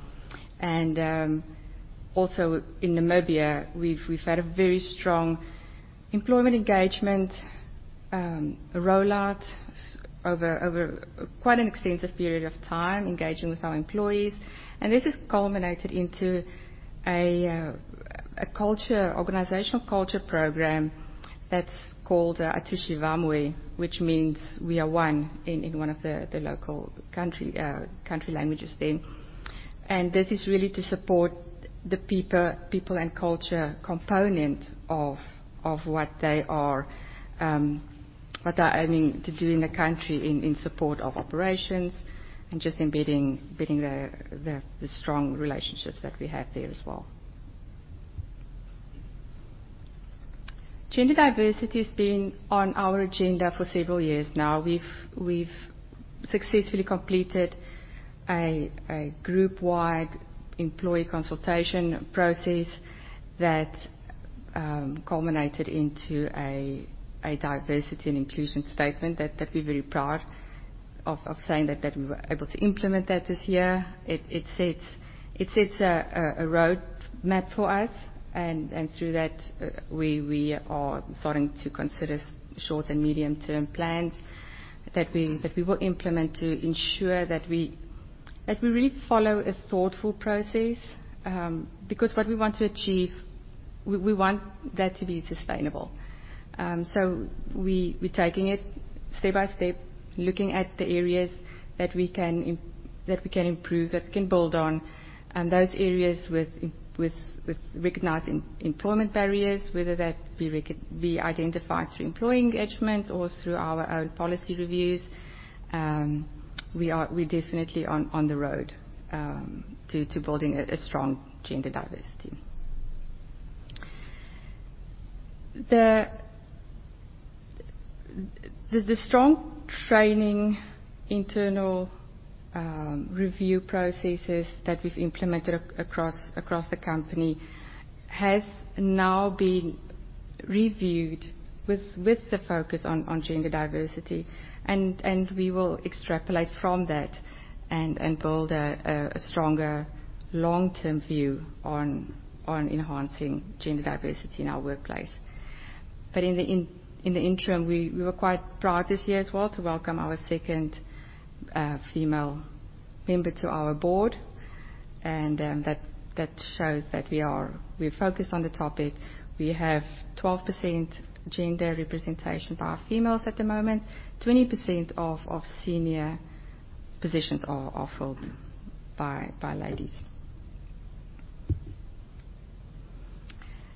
Also in Namibia, we've had a very strong employment engagement rollout over quite an extensive period of time, engaging with our employees. This has culminated into a organizational culture program that's called Atushe Vamwe, which means we are one in one of the local country languages there. This is really to support the people and culture component of what they are aiming to do in the country in support of operations and just embedding the strong relationships that we have there as well. Gender diversity has been on our agenda for several years now. We've successfully completed a group-wide employee consultation process that culminated into a diversity and inclusion statement that we're very proud of saying that we were able to implement that this year. It sets a roadmap for us, and through that, we are starting to consider short- and medium-term plans that we will implement to ensure that we really follow a thoughtful process, because what we want to achieve, we want that to be sustainable. We're taking it step by step, looking at the areas that we can improve, that we can build on, and those areas with recognized employment barriers, whether that be identified through employee engagement or through our own policy reviews. We're definitely on the road to building a strong gender diversity. The strong training internal review processes that we've implemented across the company has now been reviewed with the focus on gender diversity. We will extrapolate from that and build a stronger long-term view on enhancing gender diversity in our workplace. In the interim, we were quite proud this year as well to welcome our second female member to our board, and that shows that we're focused on the topic. We have 12% gender representation by females at the moment. 20% of senior positions are filled by ladies.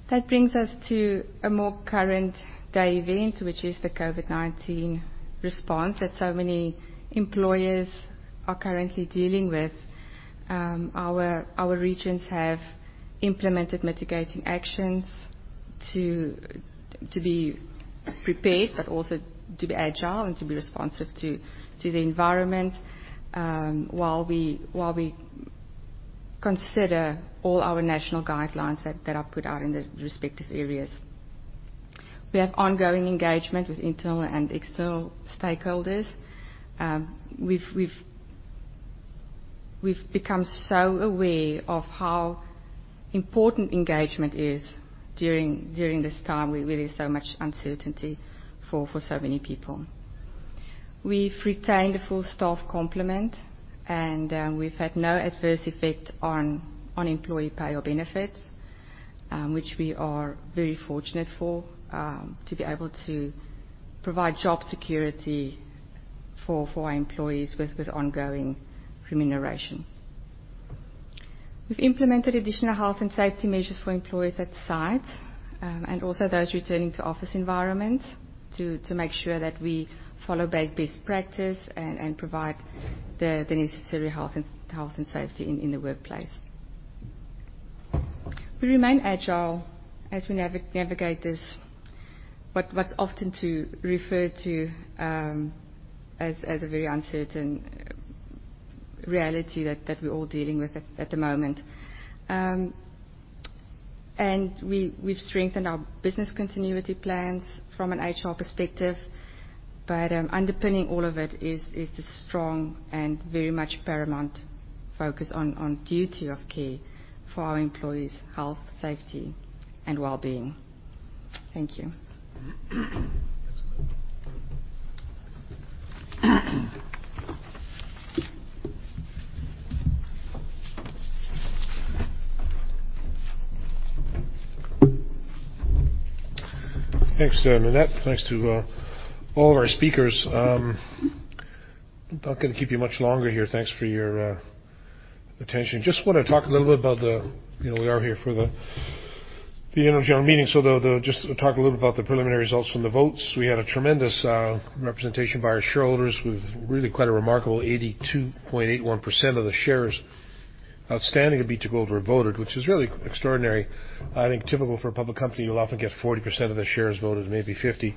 That brings us to a more current day event, which is the COVID-19 response that so many employers are currently dealing with. Our regions have implemented mitigating actions to be prepared, but also to be agile and to be responsive to the environment while we consider all our national guidelines that are put out in the respective areas. We have ongoing engagement with internal and external stakeholders. We've become so aware of how important engagement is during this time where there's so much uncertainty for so many people. We've retained a full staff complement, and we've had no adverse effect on employee pay or benefits, which we are very fortunate for, to be able to provide job security for our employees with ongoing remuneration. We've implemented additional health and safety measures for employees at sites, and also those returning to office environments to make sure that we follow best practice and provide the necessary health and safety in the workplace. We remain agile as we navigate this, what's often referred to as a very uncertain reality that we're all dealing with at the moment. We've strengthened our business continuity plans from an HR perspective. Underpinning all of it is the strong and very much paramount focus on duty of care for our employees' health, safety, and wellbeing. Thank you. Thanks, Ninette. Thanks to all of our speakers. I'm not going to keep you much longer here. Thanks for your attention. Just want to talk a little bit about the We are here for the annual general meeting, just to talk a little about the preliminary results from the votes. We had a tremendous representation by our shareholders with really quite a remarkable 82.81% of the shares outstanding at B2Gold were voted, which is really extraordinary. I think typical for a public company, you'll often get 40% of the shares voted, maybe 50.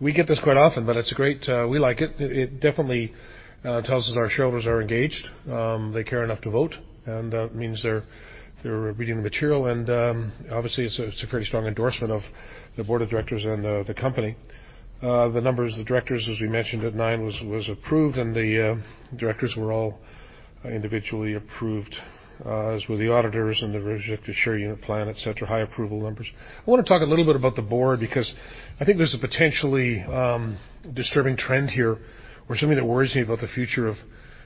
We get this quite often. It's great. We like it. It definitely tells us our shareholders are engaged. They care enough to vote. That means they're reading the material. Obviously, it's a pretty strong endorsement of the board of directors and the company. The numbers, the directors, as we mentioned at nine, was approved, and the directors were all individually approved, as were the auditors and the Restricted Share Unit Plan, et cetera. High approval numbers. I want to talk a little bit about the board because I think there's a potentially disturbing trend here or something that worries me about the future of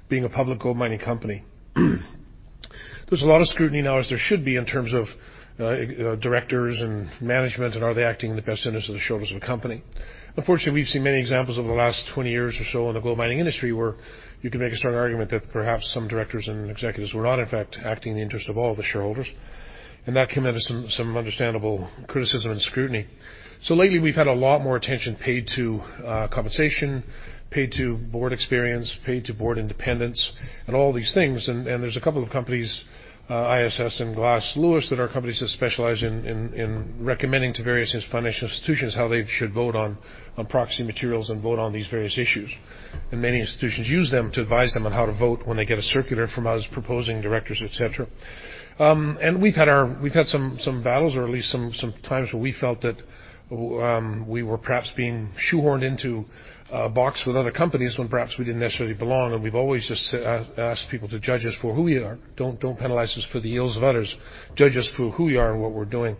being a public gold mining company. There's a lot of scrutiny now, as there should be, in terms of directors and management and are they acting in the best interest of the shareholders of the company. Unfortunately, we've seen many examples over the last 20 years or so in the gold mining industry where you can make a strong argument that perhaps some directors and executives were not, in fact, acting in the interest of all the shareholders, and that commanded some understandable criticism and scrutiny. Lately, we've had a lot more attention paid to compensation, paid to board experience, paid to board independence, and all these things. There's a couple of companies, ISS and Glass Lewis, that are companies that specialize in recommending to various financial institutions how they should vote on proxy materials and vote on these various issues, and many institutions use them to advise them on how to vote when they get a circular from us proposing directors, et cetera. We've had some battles or at least some times where we felt that we were perhaps being shoehorned into a box with other companies when perhaps we didn't necessarily belong. We've always just asked people to judge us for who we are. Don't penalize us for the ills of others. Judge us for who we are and what we're doing.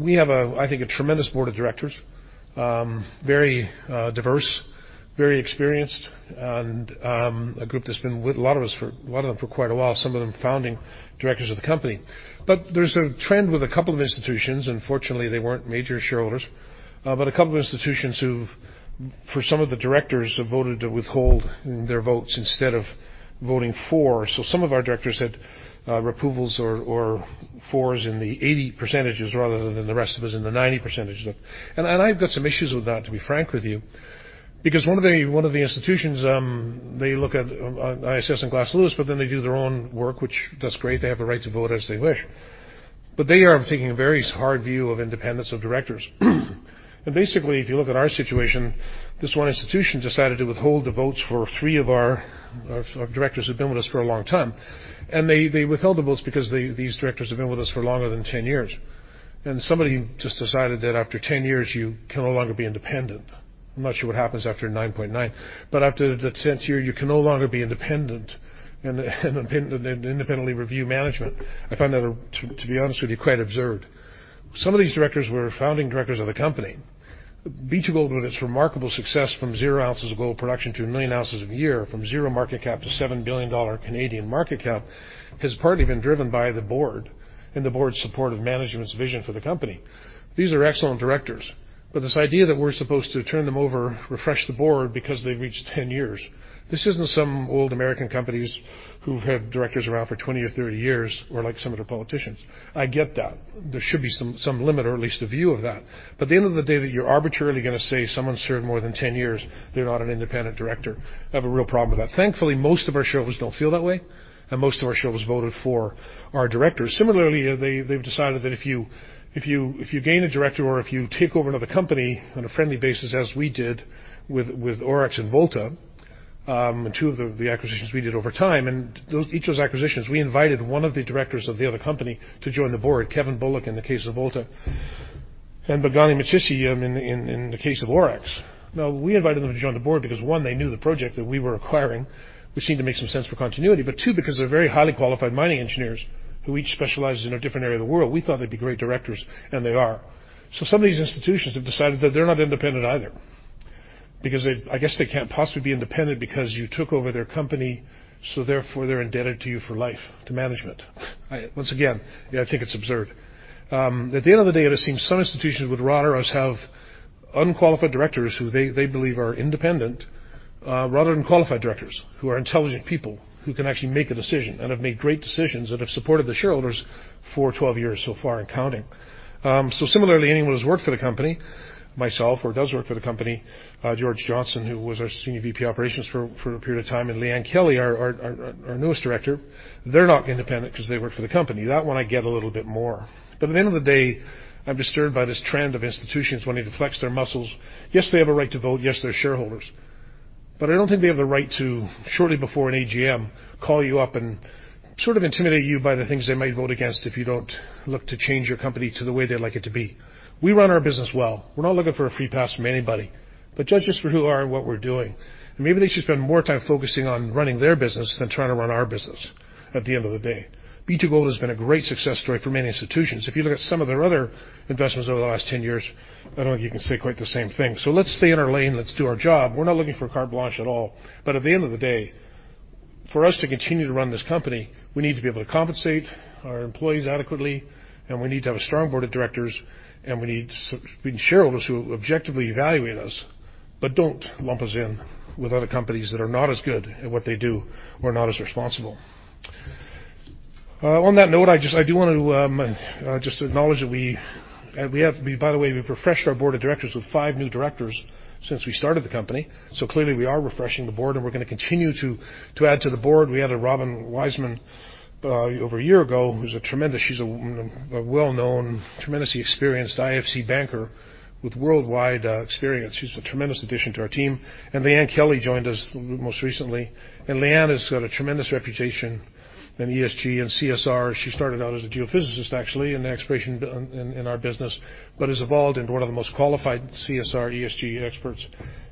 We have, I think, a tremendous board of directors. Very diverse, very experienced, and a group that's been with a lot of them for quite a while, some of them founding directors of the company. There's a trend with a couple of institutions, and fortunately, they weren't major shareholders. A couple of institutions who've, for some of the directors, have voted to withhold their votes instead of voting for. Some of our directors had approvals or for's in the 80% rather than the rest of us in the 90%. I've got some issues with that, to be frank with you. Because one of the institutions, they look at ISS and Glass Lewis, but then they do their own work, which that's great. They have a right to vote as they wish. They are taking a very hard view of independence of directors. Basically, if you look at our situation, this one institution decided to withhold the votes for three of our directors who've been with us for a long time. They withheld the votes because these directors have been with us for longer than 10 years. Somebody just decided that after 10 years, you can no longer be independent. I'm not sure what happens after 9.9. After the 10th year, you can no longer be independent and independently review management. I find that, to be honest with you, quite absurd. Some of these directors were founding directors of the company. B2Gold, with its remarkable success from zero ounces of gold production to 1 million ounces a year, from zero market cap to 7 billion Canadian dollars market cap, has partly been driven by the board and the board's support of management's vision for the company. These are excellent directors. This idea that we're supposed to turn them over, refresh the board because they've reached 10 years, this isn't some old American companies who've had directors around for 20 or 30 years or like some of their politicians. I get that. There should be some limit or at least a view of that. At the end of the day, that you're arbitrarily going to say someone's served more than 10 years, they're not an independent director. I have a real problem with that. Thankfully, most of our shareholders don't feel that way, and most of our shareholders voted for our directors. Similarly, they've decided that if you gain a director or if you take over another company on a friendly basis, as we did with Auryx and Volta, two of the acquisitions we did over time, each of those acquisitions, we invited one of the directors of the other company to join the board, Kevin Bullock in the case of Volta and Bongani Mtshisi in the case of Auryx. Now, we invited them to join the board because one, they knew the project that we were acquiring, which seemed to make some sense for continuity. Two, because they're very highly qualified mining engineers who each specializes in a different area of the world. We thought they'd be great directors, and they are. Some of these institutions have decided that they're not independent either because I guess they can't possibly be independent because you took over their company, so therefore, they're indebted to you for life, to management. Once again, I think it's absurd. At the end of the day, it would seem some institutions would rather us have unqualified directors who they believe are independent rather than qualified directors who are intelligent people who can actually make a decision and have made great decisions that have supported the shareholders for 12 years so far and counting. Similarly, anyone who's worked for the company, myself, or does work for the company, George Johnson, who was our senior VP operations for a period of time, and Liane Kelly, our newest director, they're not independent because they work for the company. That one I get a little bit more. At the end of the day, I'm disturbed by this trend of institutions wanting to flex their muscles. Yes, they have a right to vote. Yes, they're shareholders. I don't think they have the right to, shortly before an AGM, call you up and sort of intimidate you by the things they might vote against if you don't look to change your company to the way they'd like it to be. We run our business well. We're not looking for a free pass from anybody. Judge us for who we are and what we're doing. Maybe they should spend more time focusing on running their business than trying to run our business at the end of the day. B2Gold has been a great success story for many institutions. If you look at some of their other investments over the last 10 years, I don't think you can say quite the same thing. Let's stay in our lane. Let's do our job. We're not looking for carte blanche at all. At the end of the day, for us to continue to run this company, we need to be able to compensate our employees adequately, and we need to have a strong board of directors, and we need shareholders who objectively evaluate us but don't lump us in with other companies that are not as good at what they do or not as responsible. On that note, I do want to just acknowledge By the way, we've refreshed our board of directors with five new directors since we started the company. Clearly, we are refreshing the board, and we're going to continue to add to the board. We added Robin Weisman over a year ago, who's a tremendous She's a well-known, tremendously experienced IFC banker with worldwide experience. She's a tremendous addition to our team. Liane Kelly joined us most recently. Liane has got a tremendous reputation in ESG and CSR. She started out as a geophysicist, actually, in the exploration in our business but has evolved into one of the most qualified CSR, ESG experts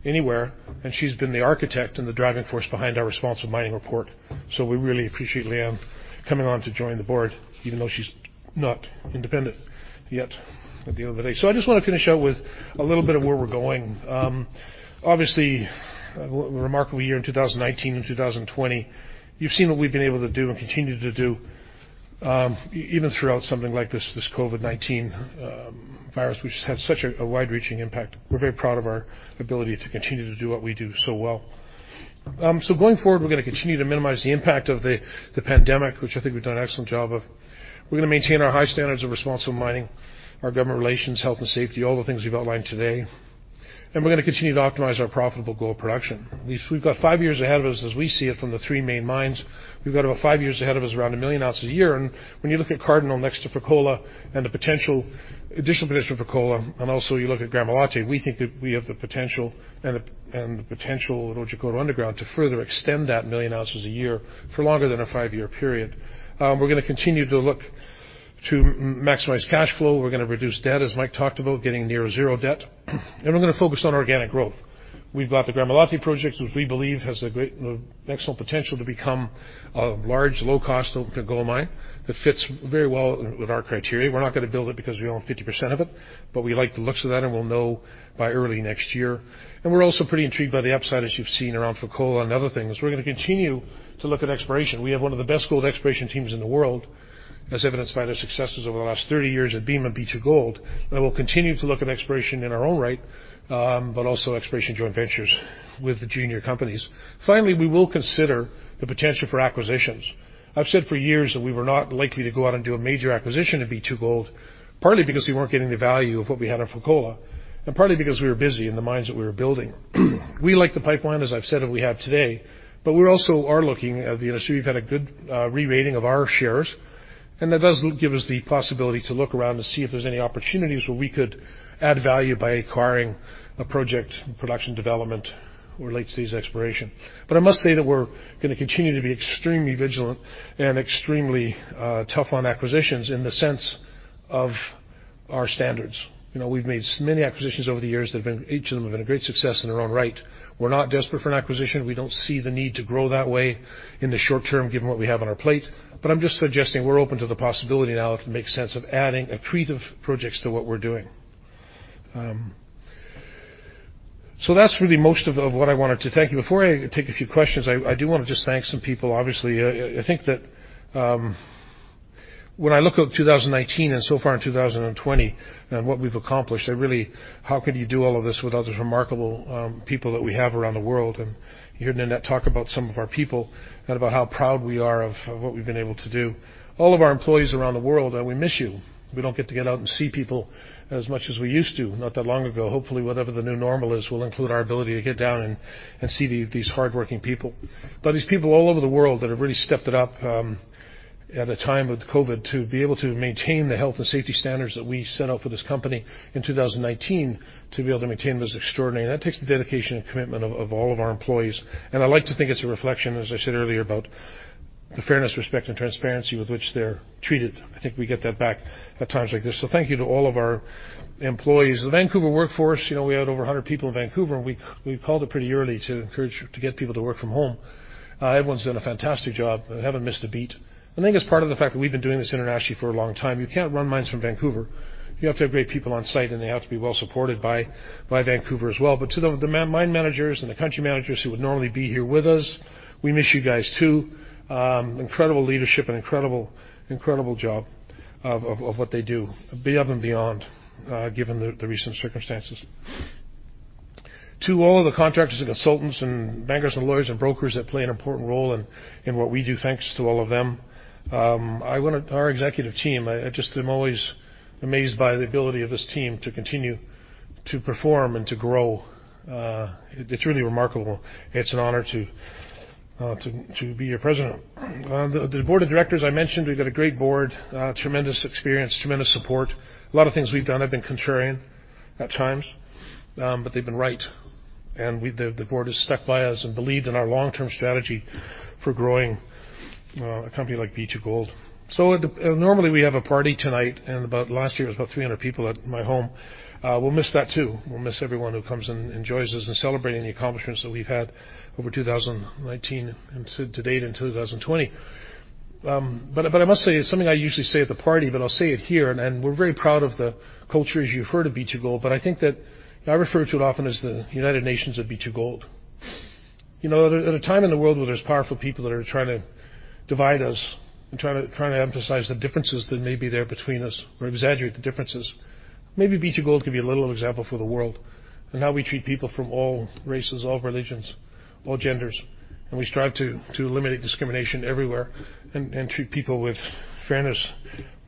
anywhere, and she's been the architect and the driving force behind our responsible mining report. We really appreciate Liane coming on to join the board, even though she's not independent yet at the end of the day. I just want to finish out with a little bit of where we're going. Obviously, remarkable year in 2019 and 2020. You've seen what we've been able to do and continue to do, even throughout something like this COVID-19 virus, which has had such a wide-reaching impact. We're very proud of our ability to continue to do what we do so well. Going forward, we're going to continue to minimize the impact of the pandemic, which I think we've done an excellent job of. We're going to maintain our high standards of responsible mining, our government relations, health, and safety, all the things we've outlined today, and we're going to continue to optimize our profitable gold production. We've got five years ahead of us, as we see it from the three main mines. We've got about five years ahead of us, around a million ounces a year. When you look at Cardinal next to Fekola and the potential additional production for Fekola, you look at Gramalote, we think that we have the potential at Wajigoukrou underground to further extend that million ounces a year for longer than a five-year period. We're going to continue to look to maximize cash flow. We're going to reduce debt, as Mike talked about, getting near zero debt. We're going to focus on organic growth. We've got the Gramalote project, which we believe has excellent potential to become a large, low-cost open gold mine that fits very well with our criteria. We're not going to build it because we own 50% of it, but we like the looks of that, and we'll know by early next year. We're also pretty intrigued by the upside, as you've seen, around Fekola and other things. We're going to continue to look at exploration. We have one of the best gold exploration teams in the world, as evidenced by their successes over the last 30 years at Bema and B2Gold. We'll continue to look at exploration in our own right but also exploration joint ventures with the junior companies. Finally, we will consider the potential for acquisitions. I've said for years that we were not likely to go out and do a major acquisition at B2Gold, partly because we weren't getting the value of what we had on Fekola, and partly because we were busy in the mines that we were building. We like the pipeline, as I've said, that we have today, but we also are looking at the industry. We've had a good re-rating of our shares. That does give us the possibility to look around and see if there's any opportunities where we could add value by acquiring a project in production development or late-stage exploration. I must say that we're going to continue to be extremely vigilant and extremely tough on acquisitions in the sense of our standards. We've made many acquisitions over the years. Each of them have been a great success in their own right. We're not desperate for an acquisition. We don't see the need to grow that way in the short term, given what we have on our plate. I'm just suggesting we're open to the possibility now, if it makes sense, of adding accretive projects to what we're doing. That's really most of what I wanted to thank you. Before I take a few questions, I do want to just thank some people, obviously. I think that when I look at 2019 and so far in 2020 and what we've accomplished, how could you do all of this without those remarkable people that we have around the world? You heard Ninette talk about some of our people and about how proud we are of what we've been able to do. All of our employees around the world, we miss you. We don't get to get out and see people as much as we used to not that long ago. Hopefully, whatever the new normal is will include our ability to get down and see these hardworking people. These people all over the world that have really stepped it up at a time with COVID to be able to maintain the health and safety standards that we set out for this company in 2019, to be able to maintain was extraordinary. That takes the dedication and commitment of all of our employees. I like to think it's a reflection, as I said earlier, about the fairness, respect, and transparency with which they're treated. I think we get that back at times like this. Thank you to all of our employees. The Vancouver workforce, we had over 100 people in Vancouver, and we called it pretty early to encourage to get people to work from home. Everyone's done a fantastic job and haven't missed a beat. I think it's part of the fact that we've been doing this internationally for a long time. You can't run mines from Vancouver. You have to have great people on site, and they have to be well supported by Vancouver as well. To the mine managers and the country managers who would normally be here with us, we miss you guys, too. Incredible leadership and incredible job of what they do above and beyond, given the recent circumstances. To all of the contractors and consultants and bankers and lawyers and brokers that play an important role in what we do, thanks to all of them. Our executive team, I just am always amazed by the ability of this team to continue to perform and to grow. It's really remarkable. It's an honor to be your president. The board of directors, I mentioned, we've got a great board, tremendous experience, tremendous support. A lot of things we've done have been contrarian at times, but they've been right. The board has stuck by us and believed in our long-term strategy for growing a company like B2Gold. Normally, we have a party tonight, and last year, it was about 300 people at my home. We'll miss that, too. We'll miss everyone who comes and joins us in celebrating the accomplishments that we've had over 2019 and to-date in 2020. I must say, it's something I usually say at the party, but I'll say it here, and we're very proud of the culture, as you've heard, of B2Gold, but I think that I refer to it often as the United Nations of B2Gold. At a time in the world where there's powerful people that are trying to divide us and trying to emphasize the differences that may be there between us or exaggerate the differences, maybe B2Gold can be a little example for the world in how we treat people from all races, all religions, all genders, and we strive to eliminate discrimination everywhere and treat people with fairness,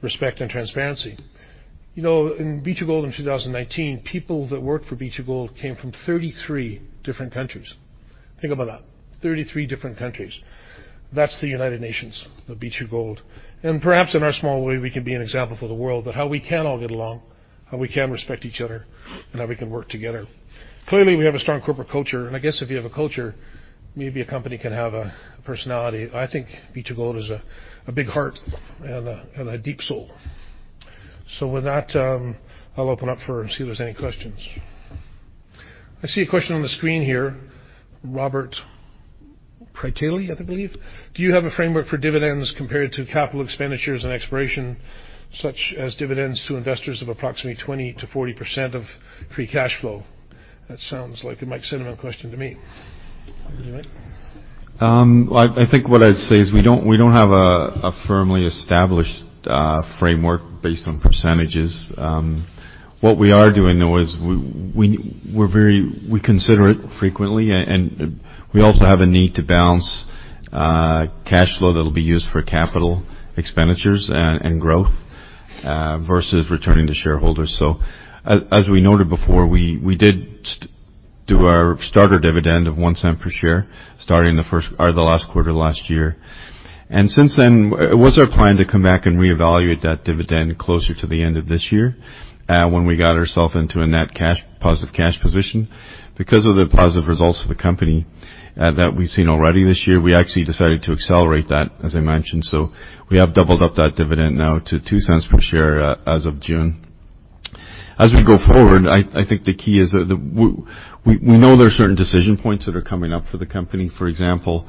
respect, and transparency. In B2Gold in 2019, people that worked for B2Gold came from 33 different countries. Think about that, 33 different countries. That's the United Nations of B2Gold. Perhaps in our small way, we can be an example for the world that how we can all get along, how we can respect each other, and how we can work together. Clearly, we have a strong corporate culture, and I guess if you have a culture, maybe a company can have a personality. I think B2Gold has a big heart and a deep soul. With that, I'll open up for, see if there's any questions. I see a question on the screen here. Robert Pritali, I believe. Do you have a framework for dividends compared to capital expenditures and exploration, such as dividends to investors of approximately 20%-40% of free cash flow? That sounds like a Mike Cinnamond question to me. Mike? I think what I'd say is we don't have a firmly established framework based on percentages. We are doing, though, is we consider it frequently, and we also have a need to balance cash flow that'll be used for capital expenditures and growth versus returning to shareholders. As we noted before, we did do our starter dividend of 0.01 per share starting the last quarter last year. Since then, it was our plan to come back and reevaluate that dividend closer to the end of this year, when we got ourselves into a net positive cash position. Because of the positive results of the company that we've seen already this year, we actually decided to accelerate that, as I mentioned. We have doubled up that dividend now to 0.02 per share as of June. As we go forward, I think the key is that we know there are certain decision points that are coming up for the company. For example,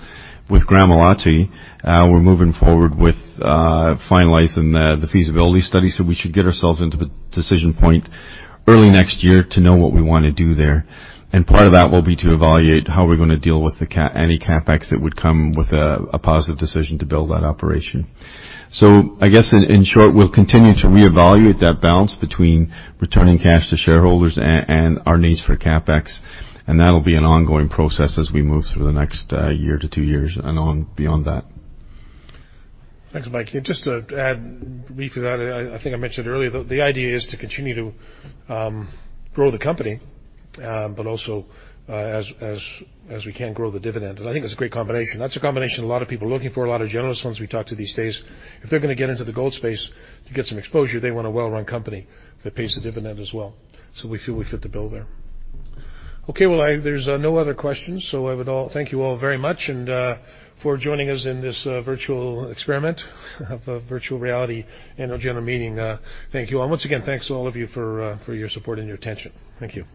with Gramalote, we're moving forward with finalizing the feasibility study, so we should get ourselves into the decision point early next year to know what we want to do there. Part of that will be to evaluate how we're going to deal with any CapEx that would come with a positive decision to build that operation. I guess, in short, we'll continue to reevaluate that balance between returning cash to shareholders and our needs for CapEx, and that'll be an ongoing process as we move through the next year to two years and on beyond that. Thanks, Mike. Just to add briefly that I think I mentioned earlier, the idea is to continue to grow the company, but also as we can grow the dividend. I think that's a great combination. That's a combination a lot of people are looking for, a lot of generalists ones we talk to these days. If they're going to get into the gold space to get some exposure, they want a well-run company that pays the dividend as well. We feel we fit the bill there. Okay, well, there's no other questions, I would thank you all very much for joining us in this virtual experiment of a virtual reality annual general meeting. Thank you. Once again, thanks to all of you for your support and your attention. Thank you.